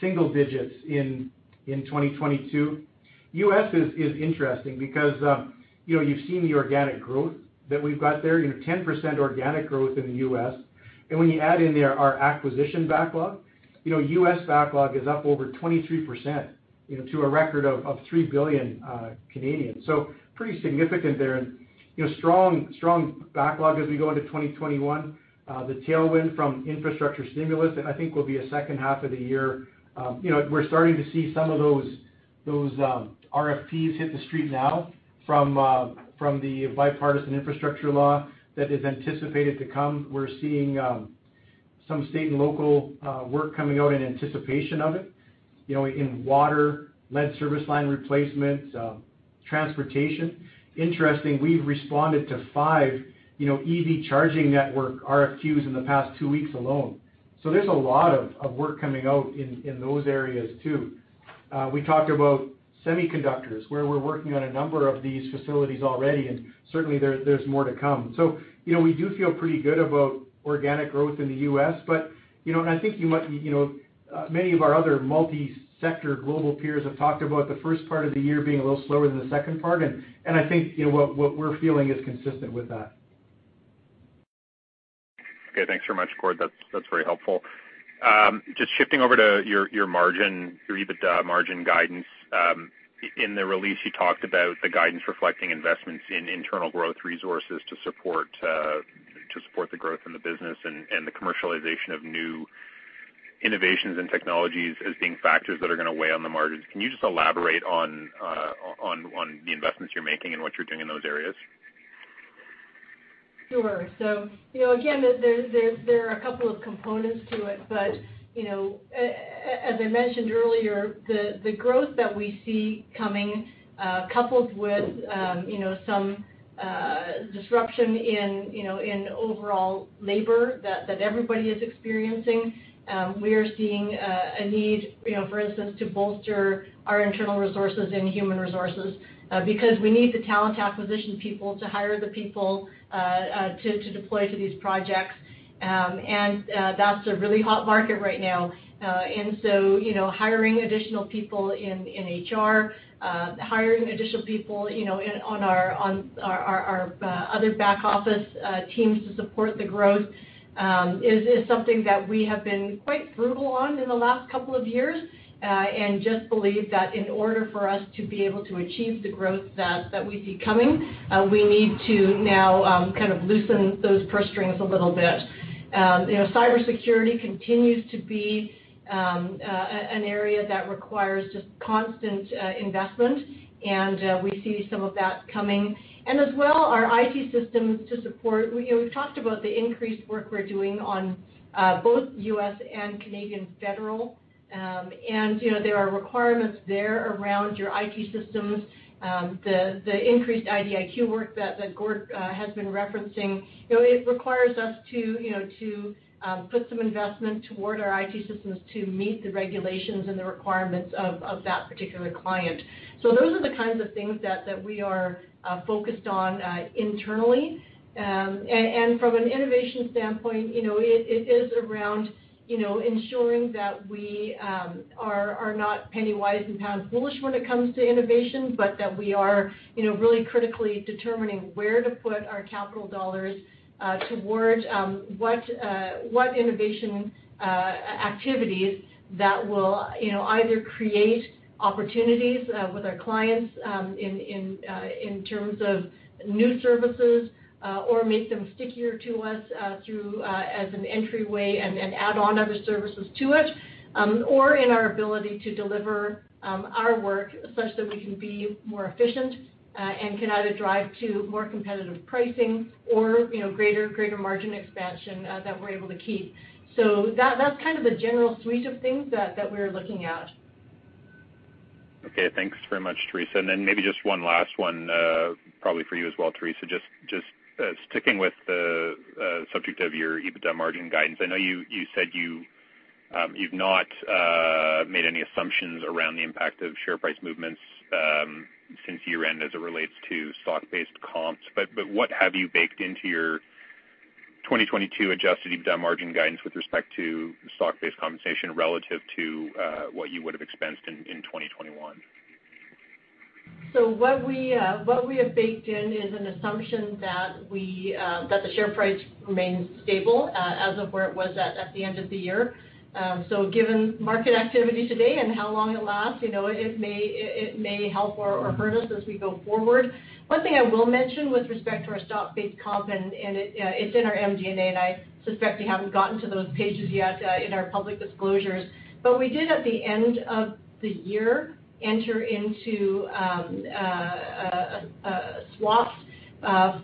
single-digits in 2022. U.S. is interesting because, you know, you've seen the organic growth that we've got there, you know, 10% organic growth in the U.S. When you add in there our acquisition backlog, you know, U.S. backlog is up over 23%, you know, to a record of 3 billion. Pretty significant there. You know, strong backlog as we go into 2021. The tailwind from infrastructure stimulus, I think, will be a second half of the year. You know, we're starting to see some of those RFPs hit the street now from the bipartisan infrastructure law that is anticipated to come. We're seeing some state and local work coming out in anticipation of it, you know, in water, lead service line replacement, transportation. Interesting, we've responded to five, you know, EV charging network RFQs in the past two weeks alone. There's a lot of work coming out in those areas too. We talked about semiconductors, where we're working on a number of these facilities already, and certainly there's more to come. You know, we do feel pretty good about organic growth in the U.S. You know, and I think you might, you know, many of our other multi-sector global peers have talked about the first part of the year being a little slower than the second part, and I think, you know, what we're feeling is consistent with that. Okay, thanks very much, Gord. That's very helpful. Just shifting over to your EBITDA margin guidance. In the release, you talked about the guidance reflecting investments in internal growth resources to support the growth in the business and the commercialization of new innovations and technologies as being factors that are gonna weigh on the margins. Can you just elaborate on the investments you're making and what you're doing in those areas? Sure. You know, again, there are a couple of components to it, but you know, as I mentioned earlier, the growth that we see coming, coupled with you know some disruption in you know in overall labor that everybody is experiencing, we are seeing a need you know for instance to bolster our internal resources and human resources because we need the talent acquisition people to hire the people to deploy to these projects. That's a really hot market right now. You know, hiring additional people in HR, hiring additional people you know on our other back office teams to support the growth is something that we have been quite frugal on in the last couple of years. We just believe that in order for us to be able to achieve the growth that we see coming, we need to now kind of loosen those purse strings a little bit. You know, cybersecurity continues to be an area that requires just constant investment, and we see some of that coming. As well, our IT systems to support the increased work we're doing on both U.S. and Canadian federal. You know, there are requirements there around your IT systems. The increased IDIQ work that Gord has been referencing. You know, it requires us to put some investment toward our IT systems to meet the regulations and the requirements of that particular client. Those are the kinds of things that we are focused on internally. From an innovation standpoint, you know, it is around, you know, ensuring that we are not penny-wise and pound-foolish when it comes to innovation, but that we are, you know, really critically determining where to put our capital dollars towards what innovation activities that will, you know, either create opportunities with our clients in terms of new services or make them stickier to us through as an entryway and add on other services to it. Or in our ability to deliver our work such that we can be more efficient and can either drive to more competitive pricing or, you know, greater margin expansion that we're able to keep. That's kind of the general suite of things that we're looking at. Okay, thanks very much, Theresa. Then maybe just one last one, probably for you as well, Theresa. Just sticking with the subject of your EBITDA margin guidance. I know you said you’ve not made any assumptions around the impact of share price movements since year-end as it relates to stock-based comps. But what have you baked into your 2022 adjusted EBITDA margin guidance with respect to stock-based compensation relative to what you would have expensed in 2021? What we have baked in is an assumption that the share price remains stable as of where it was at the end of the year. Given market activity today and how long it lasts, you know, it may help or hurt us as we go forward. One thing I will mention with respect to our stock-based comp, and it is in our MD&A, and I suspect you haven't gotten to those pages yet in our public disclosures. We did at the end of the year enter into a swap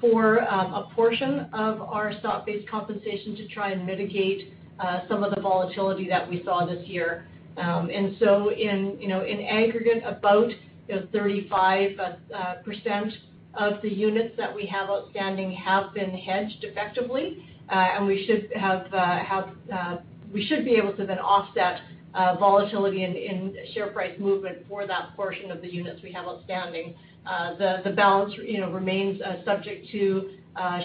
for a portion of our stock-based compensation to try and mitigate some of the volatility that we saw this year. You know, in aggregate, about, you know, 35% of the units that we have outstanding have been hedged effectively. We should be able to then offset volatility in share price movement for that portion of the units we have outstanding. The balance, you know, remains subject to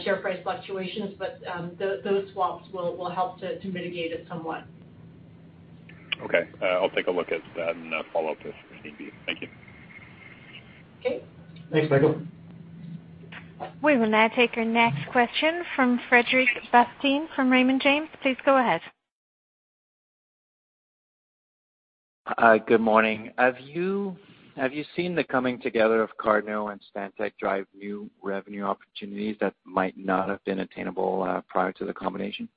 share price fluctuations, but those swaps will help to mitigate it somewhat. Okay. I'll take a look at that and follow up if need be. Thank you. Okay. Thanks, Michael. We will now take our next question from Frederic Bastien from Raymond James. Please go ahead. Hi. Good morning. Have you seen the coming together of Cardno and Stantec drive new revenue opportunities that might not have been attainable prior to the combination?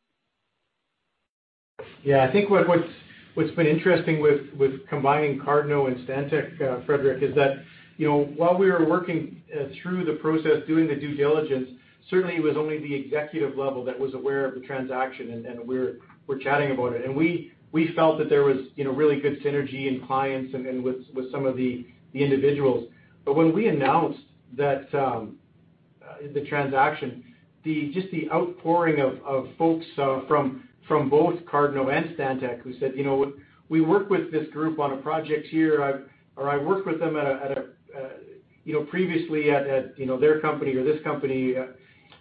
Yeah, I think what's been interesting with combining Cardno and Stantec, Frederic, is that, you know, while we were working through the process, doing the due diligence, certainly it was only the executive level that was aware of the transaction, and we're chatting about it. We felt that there was, you know, really good synergy in clients and with some of the individuals. When we announced the transaction, just the outpouring of folks from both Cardno and Stantec who said, "You know what? We work with this group on a project here. I worked with them at a you know previously at you know their company or this company.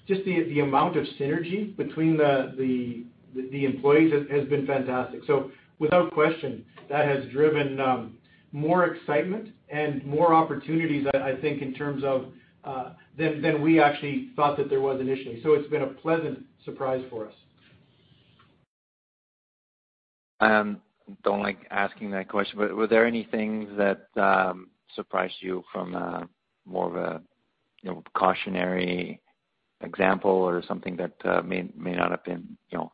Just the amount of synergy between the employees has been fantastic. Without question, that has driven more excitement and more opportunities, I think in terms of than we actually thought that there was initially. It's been a pleasant surprise for us. Don't like asking that question, but were there any things that surprised you from more of a, you know, cautionary example or something that may not have been, you know,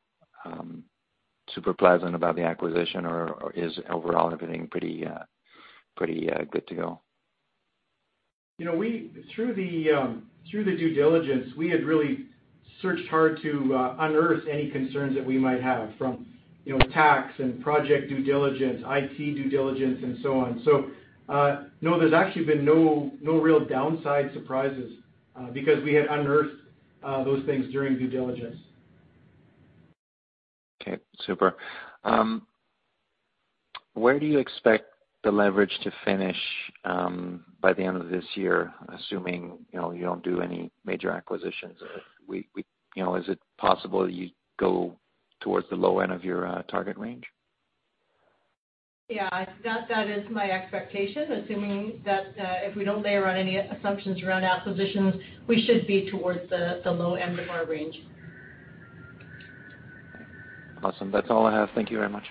super pleasant about the acquisition? Or is overall everything pretty good to go? You know, through the due diligence, we had really searched hard to unearth any concerns that we might have from, you know, tax and project due diligence, IT due diligence, and so on. No, there's actually been no real downside surprises, because we had unearthed those things during due diligence. Okay, super. Where do you expect the leverage to finish by the end of this year, assuming you know you don't do any major acquisitions? You know, is it possible you go towards the low end of your target range? Yeah. That is my expectation. Assuming that, if we don't layer on any assumptions around acquisitions, we should be towards the low end of our range. Awesome. That's all I have. Thank you very much.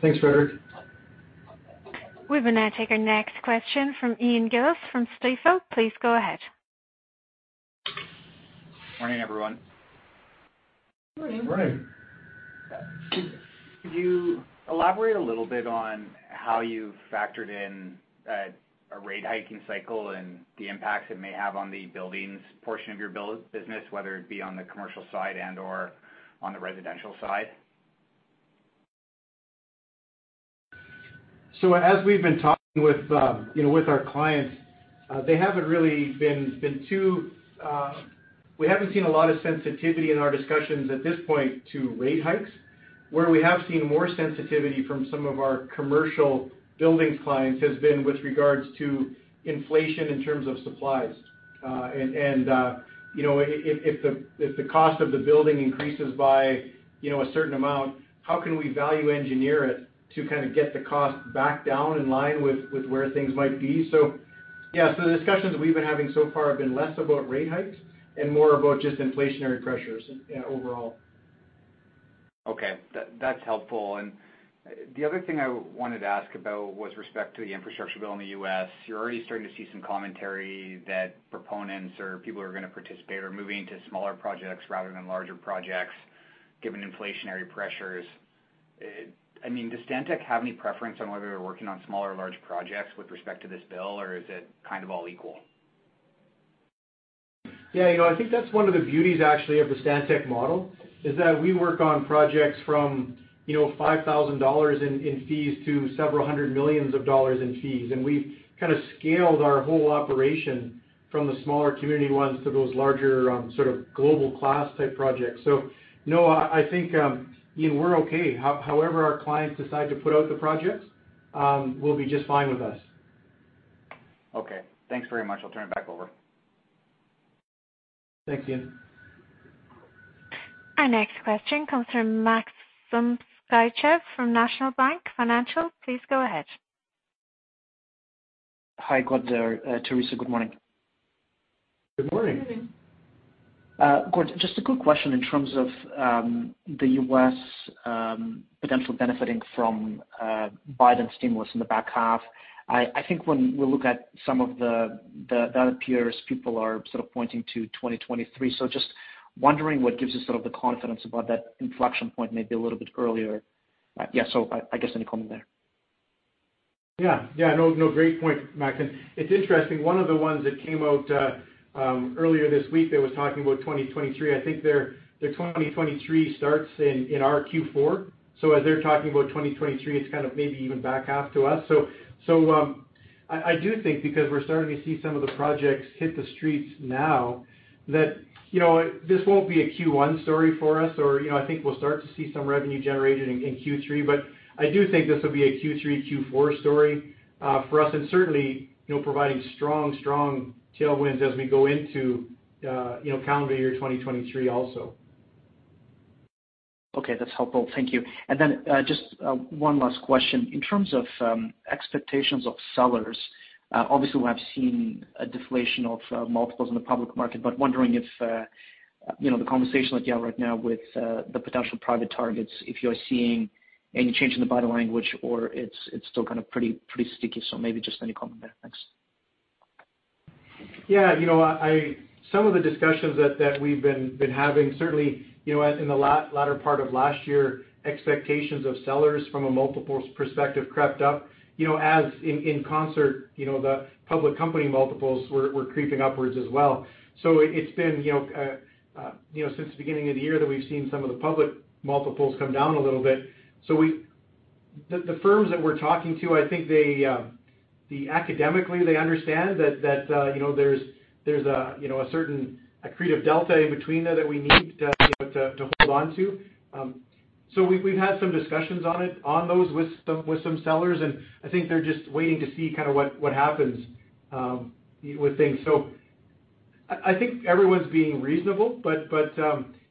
Thanks, Frederic. We will now take our next question from Ian Gillies from Stifel. Please go ahead. Morning, everyone. Morning. Morning. Could you elaborate a little bit on how you factored in a rate hiking cycle and the impacts it may have on the buildings portion of your build business, whether it be on the commercial side and/or on the residential side? As we've been talking with, you know, with our clients, we haven't seen a lot of sensitivity in our discussions at this point to rate hikes. Where we have seen more sensitivity from some of our commercial buildings clients has been with regards to inflation in terms of supplies. And you know, if the cost of the building increases by, you know, a certain amount, how can we value engineer it to kind of get the cost back down in line with where things might be? Yeah. The discussions we've been having so far have been less about rate hikes and more about just inflationary pressures in overall. Okay. That's helpful. The other thing I wanted to ask about was with respect to the infrastructure bill in the U.S. You're already starting to see some commentary that proponents or people who are gonna participate are moving to smaller projects rather than larger projects given inflationary pressures. I mean, does Stantec have any preference on whether you're working on small or large projects with respect to this bill, or is it kind of all equal? Yeah. You know, I think that's one of the beauties actually of the Stantec model, is that we work on projects from, you know, 5,000 dollars in fees to several hundred millions of dollars in fees. We've kind of scaled our whole operation from the smaller community ones to those larger, sort of global class type projects. No, I think, you know, we're okay. However, our clients decide to put out the projects, will be just fine with us. Okay, thanks very much. I'll turn it back over. Thanks, Ian. Our next question comes from Maxim Sytchev from National Bank Financial. Please go ahead. Hi, Gord there. Theresa, good morning. Good morning. Good morning. Gord, just a quick question in terms of the U.S. potentially benefiting from Biden stimulus in the back half. I think when we look at some of the peers, people are sort of pointing to 2023. Just wondering what gives us sort of the confidence about that inflection point maybe a little bit earlier. I guess any comment there. Yeah. No, great point, Maxim. It's interesting. One of the ones that came out earlier this week that was talking about 2023, I think their 2023 starts in our Q4. As they're talking about 2023, it's kind of maybe even back half to us. I do think because we're starting to see some of the projects hit the streets now that, you know, this won't be a Q1 story for us or, you know, I think we'll start to see some revenue generated in Q3. But I do think this will be a Q3, Q4 story for us and certainly, you know, providing strong tailwinds as we go into, you know, calendar year 2023 also. Okay. That's helpful. Thank you. Just one last question. In terms of expectations of sellers, obviously we have seen a deflation of multiples in the public market but wondering if you know the conversation that you have right now with the potential private targets, if you're seeing any change in the buyer language or it's still kind of pretty sticky. Maybe just any comment there. Thanks. Yeah. You know, some of the discussions that we've been having, certainly, you know, as in the latter part of last year, expectations of sellers from a multiples perspective crept up. You know, as in concert, you know, the public company multiples were creeping upwards as well. It's been, you know, since the beginning of the year that we've seen some of the public multiples come down a little bit. The firms that we're talking to, I think they academically understand that, you know, there's a certain accretive delta in between there that we need, you know, to hold on to. We've had some discussions on those with some sellers, and I think they're just waiting to see kind of what happens with things. I think everyone's being reasonable, but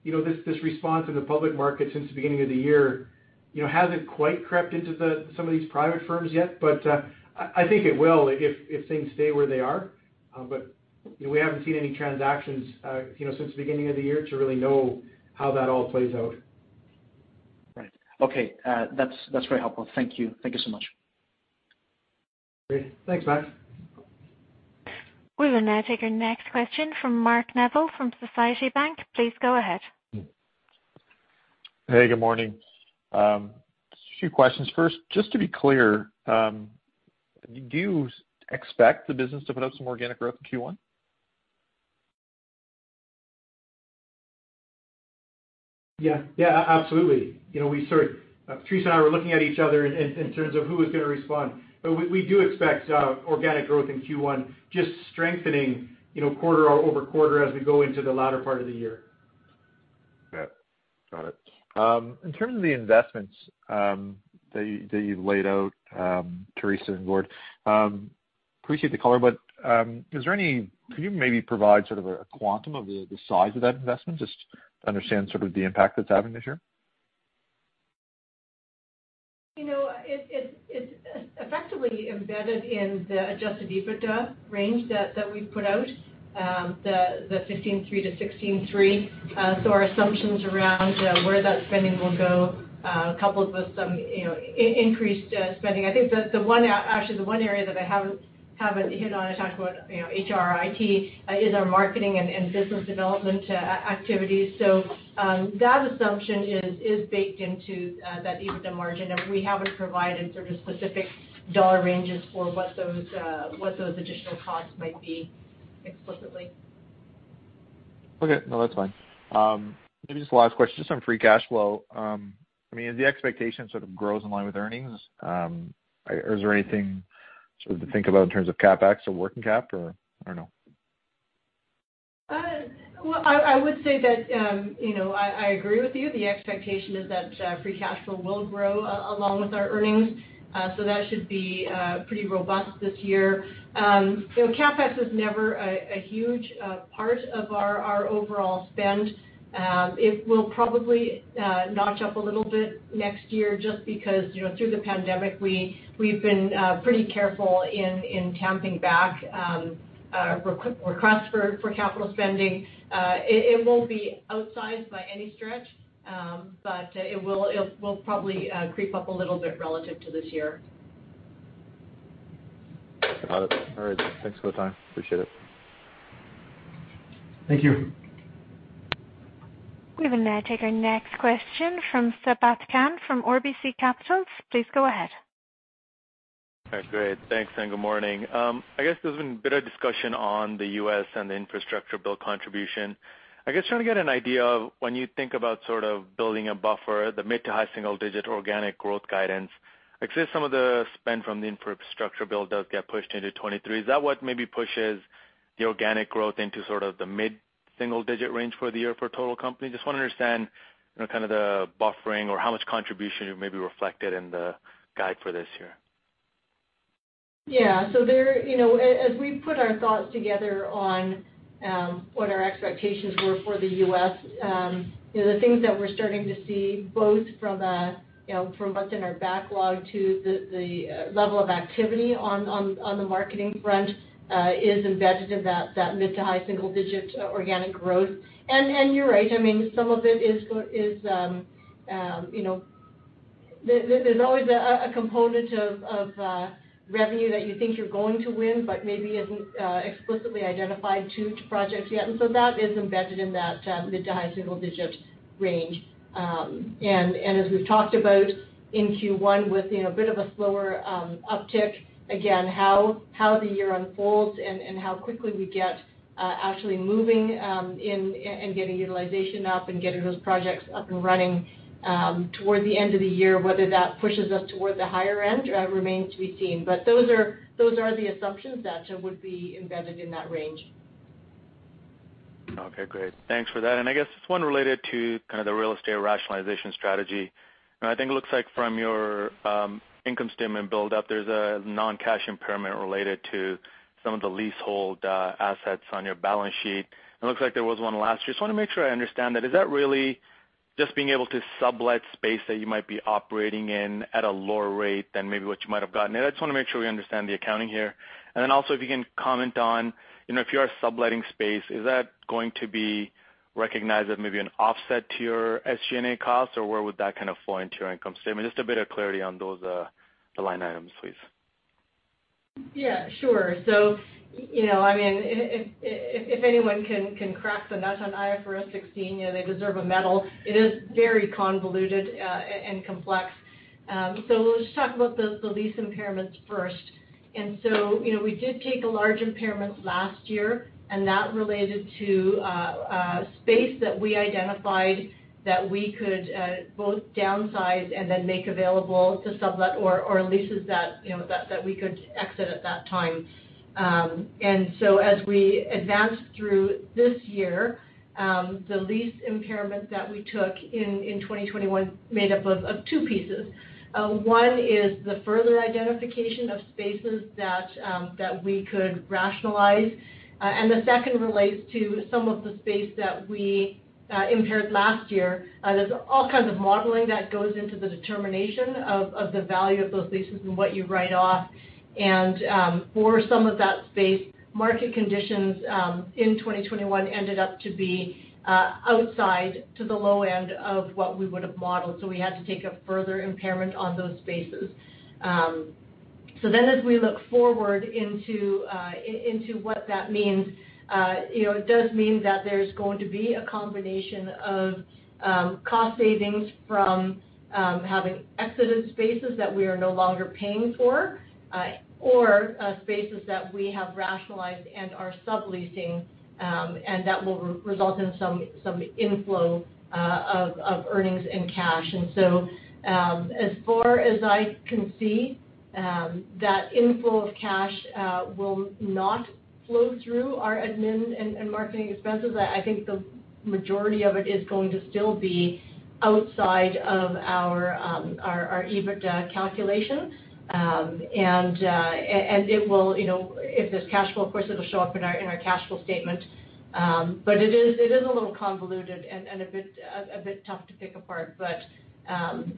you know, this response in the public market since the beginning of the year, you know, hasn't quite crept into some of these private firms yet. I think it will if things stay where they are. We haven't seen any transactions, you know, since the beginning of the year to really know how that all plays out. Right. Okay. That's very helpful. Thank you. Thank you so much. Great. Thanks, Max. We will now take our next question from Mark Neville from Scotiabank. Please go ahead. Hey, good morning. Just a few questions. First, just to be clear, do you expect the business to put out some organic growth in Q1? Yeah. Yeah, absolutely. You know, Theresa and I were looking at each other in terms of who was gonna respond. We do expect organic growth in Q1, just strengthening, you know, quarter-over-quarter as we go into the latter part of the year. Okay, got it. In terms of the investments that you've laid out, Theresa and Gord, appreciate the color, but could you maybe provide sort of a quantum of the size of that investment, just to understand sort of the impact it's having this year? You know, it's effectively embedded in the adjusted EBITDA range that we've put out, the 15.3%-16.3%. Our assumptions around where that spending will go, coupled with some, you know, increased spending. I think that actually the one area that I haven't hit on, I talked about, you know, HR, IT, is our marketing and business development activities. That assumption is baked into that EBITDA margin, and we haven't provided sort of specific dollar ranges for what those additional costs might be explicitly. Okay. No, that's fine. Maybe just last question, just on free cash flow. I mean, is the expectation sort of grow in line with earnings? Is there anything sort of to think about in terms of CapEx or working cap or I don't know? Well, I would say that, you know, I agree with you. The expectation is that free cash flow will grow along with our earnings. So that should be pretty robust this year. You know, CapEx is never a huge part of our overall spend. It will probably notch up a little bit next year just because, you know, through the pandemic, we've been pretty careful in tamping back requests for capital spending. It won't be outsized by any stretch, but it will probably creep up a little bit relative to this year. Got it. All right. Thanks for the time. Appreciate it. Thank you. We will now take our next question from Sabahat Khan from RBC Capital. Please go ahead. All right, great. Thanks, and good morning. I guess there's been a bit of discussion on the U.S. and the infrastructure bill contribution. I guess trying to get an idea of when you think about sort of building a buffer, the mid- to high-single-digit organic growth guidance, I'd say some of the spend from the infrastructure bill does get pushed into 2023. Is that what maybe pushes the organic growth into sort of the mid-single-digit range for the year for total company? Just wanna understand, you know, kind of the buffering or how much contribution may be reflected in the guide for this year. There, you know, as we put our thoughts together on what our expectations were for the U.S., you know, the things that we're starting to see both from, you know, what's in our backlog to the level of activity on the marketing front, is embedded in that mid- to high-single-digit organic growth. You're right, I mean, some of it is, you know, there's always a component of revenue that you think you're going to win, but maybe isn't explicitly identified to projects yet. That is embedded in that mid- to high-single-digit range. As we've talked about in Q1 with you know a bit of a slower uptick, again, how the year unfolds and how quickly we get actually moving and getting utilization up and getting those projects up and running toward the end of the year, whether that pushes us towards the higher end remains to be seen. Those are the assumptions that would be embedded in that range. Okay, great. Thanks for that. I guess just one related to kind of the real estate rationalization strategy. I think it looks like from your income statement build up, there's a non-cash impairment related to some of the leasehold assets on your balance sheet. It looks like there was one last year. I wanna make sure I understand that. Is that really just being able to sublet space that you might be operating in at a lower rate than maybe what you might have gotten? I just wanna make sure we understand the accounting here. Then also, if you can comment on, you know, if you are subletting space, is that going to be recognized as maybe an offset to your SG&A costs, or where would that kind of flow into your income statement? Just a bit of clarity on those, line items, please. Yeah, sure. You know, I mean, if anyone can crack the nut on IFRS 16, you know, they deserve a medal. It is very convoluted and complex. We'll just talk about the lease impairments first. You know, we did take a large impairment last year, and that related to a space that we identified that we could both downsize and then make available to sublet or leases that, you know, that we could exit at that time. As we advanced through this year, the lease impairment that we took in 2021 made up of two pieces. One is the further identification of spaces that we could rationalize. The second relates to some of the space that we impaired last year. There's all kinds of modeling that goes into the determination of the value of those leases and what you write off. For some of that space, market conditions in 2021 ended up to be outside of the low end of what we would have modeled. We had to take a further impairment on those spaces. As we look forward into what that means, you know, it does mean that there's going to be a combination of cost savings from having exited spaces that we are no longer paying for, or spaces that we have rationalized and are subleasing, and that will result in some inflow of earnings and cash. As far as I can see, that inflow of cash will not flow through our admin and marketing expenses. I think the majority of it is going to still be outside of our EBITDA calculation. It will, you know, if there's cash flow, of course, it'll show up in our cash flow statement. It is a little convoluted and a bit tough to pick apart.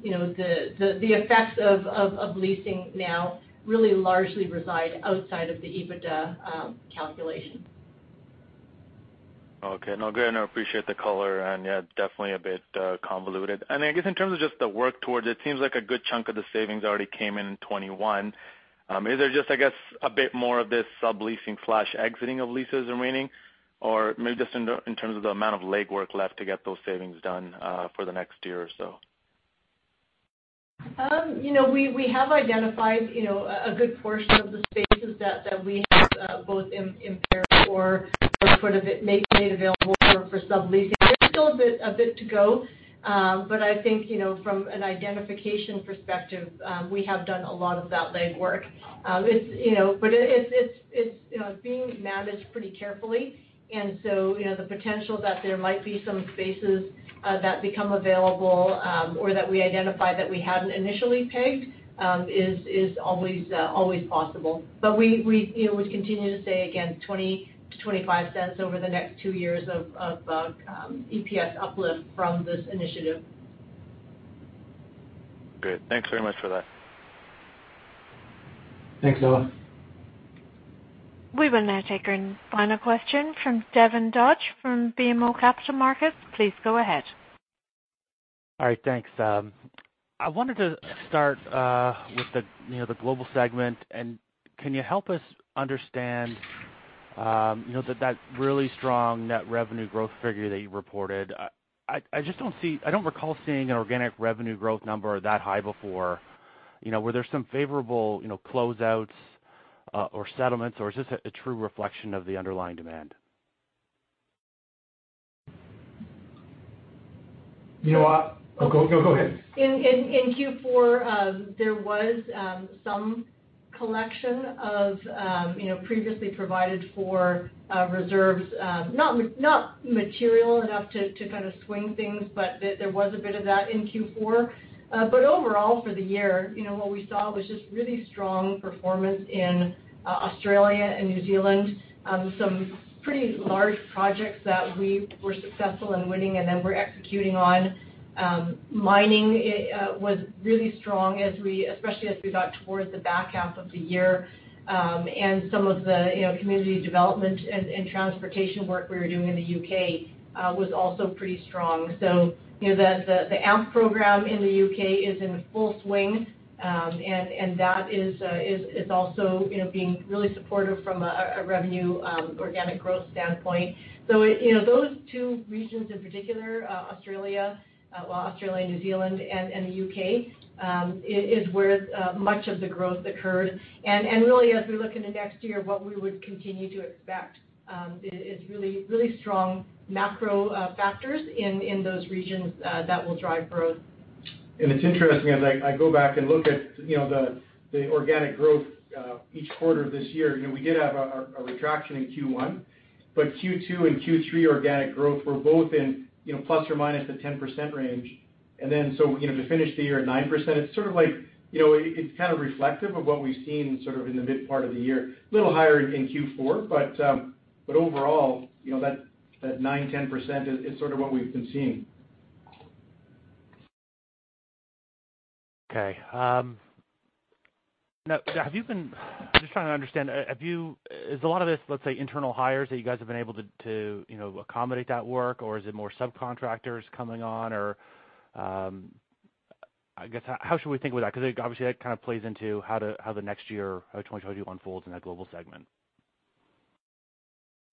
You know, the effects of leasing now really largely reside outside of the EBITDA calculation. Okay. No, great, I appreciate the color, and yeah, definitely a bit convoluted. I guess in terms of just the work towards it seems like a good chunk of the savings already came in in 2021. Is there just, I guess, a bit more of this subleasing/exiting of leases remaining? Or maybe just in terms of the amount of legwork left to get those savings done, for the next year or so. You know, we have identified you know, a good portion of the spaces that we have both impaired or sort of made available for subleasing. There's still a bit to go, but I think you know, from an identification perspective, we have done a lot of that legwork. It's being managed pretty carefully. You know, the potential that there might be some spaces that become available or that we identify that we hadn't initially pegged is always possible. We you know, would continue to say, again, 0.20-0.25 over the next two years of EPS uplift from this initiative. Great. Thanks very much for that. Thanks, Sabahat. We will now take our final question from Devin Dodge from BMO Capital Markets. Please go ahead. All right. Thanks. I wanted to start with the, you know, the global segment. Can you help us understand, you know, that really strong net revenue growth figure that you reported? I just don't see. I don't recall seeing an organic revenue growth number that high before. You know, were there some favorable, you know, closeouts or settlements, or is this a true reflection of the underlying demand? You know what? Oh, go ahead. In Q4, there was some collection of, you know, previously provided for reserves, not material enough to kind of swing things, but there was a bit of that in Q4. Overall, for the year, you know, what we saw was just really strong performance in Australia and New Zealand. Some pretty large projects that we were successful in winning and then we're executing on. Mining was really strong especially as we got towards the back half of the year. Some of the, you know, community development and transportation work we were doing in the U.K. was also pretty strong. You know, the AMP program in the U.K. is in full swing, and that is also, you know, being really supportive from a revenue organic growth standpoint. You know, those two regions in particular, Australia, well, New Zealand, and the U.K. is where much of the growth occurred. Really, as we look into next year, what we would continue to expect is really strong macro factors in those regions that will drive growth. It's interesting, as I go back and look at, you know, the organic growth each quarter this year. You know, we did have a retraction in Q1, but Q2 and Q3 organic growth were both in, you know, plus or minus the 10% range. You know, to finish the year at 9%, it's sort of like, you know, it's kind of reflective of what we've seen sort of in the mid part of the year. A little higher in Q4, but overall, you know, that 9%-10% is sort of what we've been seeing. Okay. I'm just trying to understand. Is a lot of this, let's say, internal hires that you guys have been able to, you know, accommodate that work, or is it more subcontractors coming on? Or, I guess, how should we think about that? Because, obviously, that kind of plays into how the next year, 2021 unfolds in that global segment.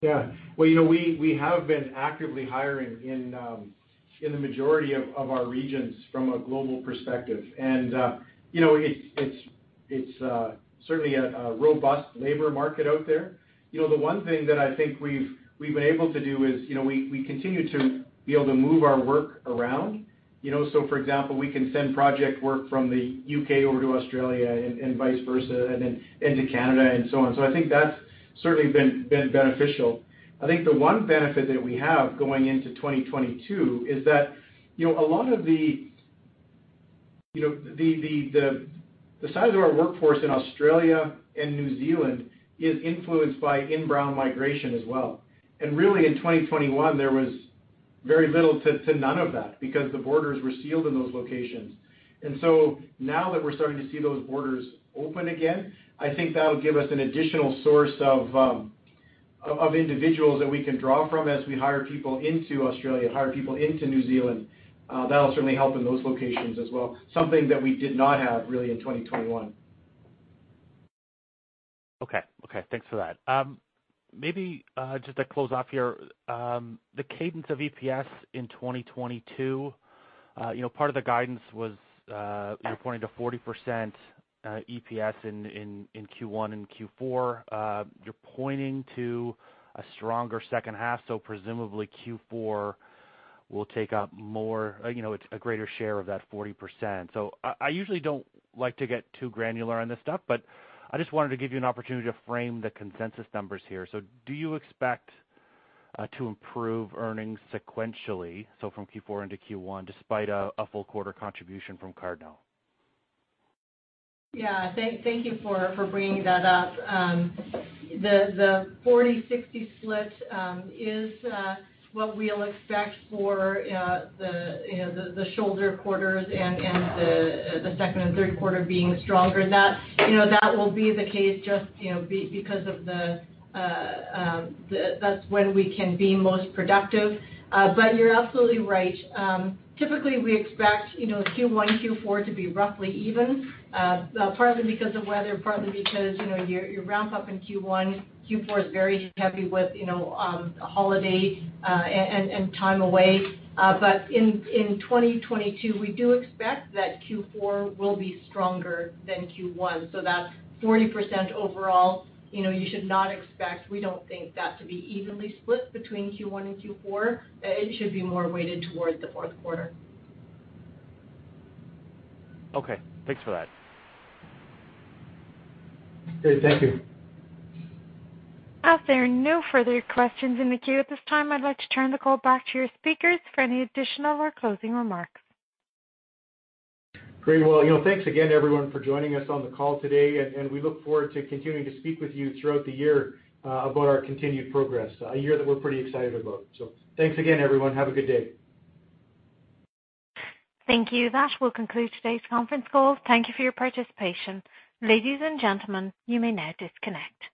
Yeah. Well, you know, we have been actively hiring in the majority of our regions from a global perspective. You know, it's certainly a robust labor market out there. You know, the one thing that I think we've been able to do is, you know, we continue to be able to move our work around, you know. For example, we can send project work from the U.K. over to Australia and vice versa, and then into Canada and so on. I think that's certainly been beneficial. I think the one benefit that we have going into 2022 is that, you know, the size of our workforce in Australia and New Zealand is influenced by inbound migration as well. Really, in 2021, there was very little to none of that because the borders were sealed in those locations. Now that we're starting to see those borders open again, I think that'll give us an additional source of individuals that we can draw from as we hire people into Australia, hire people into New Zealand, that'll certainly help in those locations as well, something that we did not have really in 2021. Okay, thanks for that. Maybe just to close off here, the cadence of EPS in 2022, you know, part of the guidance was, you're pointing to 40% EPS in Q1 and Q4. You're pointing to a stronger second half, so presumably Q4 will take up more, you know, a greater share of that 40%. I usually don't like to get too granular on this stuff, but I just wanted to give you an opportunity to frame the consensus numbers here. Do you expect to improve earnings sequentially, so from Q4 into Q1, despite a full quarter contribution from Cardno? Yeah. Thank you for bringing that up. The 40-60 split is what we'll expect for the shoulder quarters and the second and third quarter being stronger. That will be the case just because that's when we can be most productive. But you're absolutely right. Typically, we expect Q1, Q4 to be roughly even, partly because of weather, partly because you ramp up in Q1. Q4 is very heavy with holiday and time away. But in 2022, we do expect that Q4 will be stronger than Q1. That 40% overall, you should not expect, we don't think that to be evenly split between Q1 and Q4. It should be more weighted towards the fourth quarter. Okay, thanks for that. Great. Thank you. As there are no further questions in the queue at this time, I'd like to turn the call back to your speakers for any additional or closing remarks. Great. Well, you know, thanks again to everyone for joining us on the call today, and we look forward to continuing to speak with you throughout the year, about our continued progress, a year that we're pretty excited about. Thanks again, everyone. Have a good day. Thank you. That will conclude today's conference call. Thank you for your participation. Ladies and gentlemen, you may now disconnect.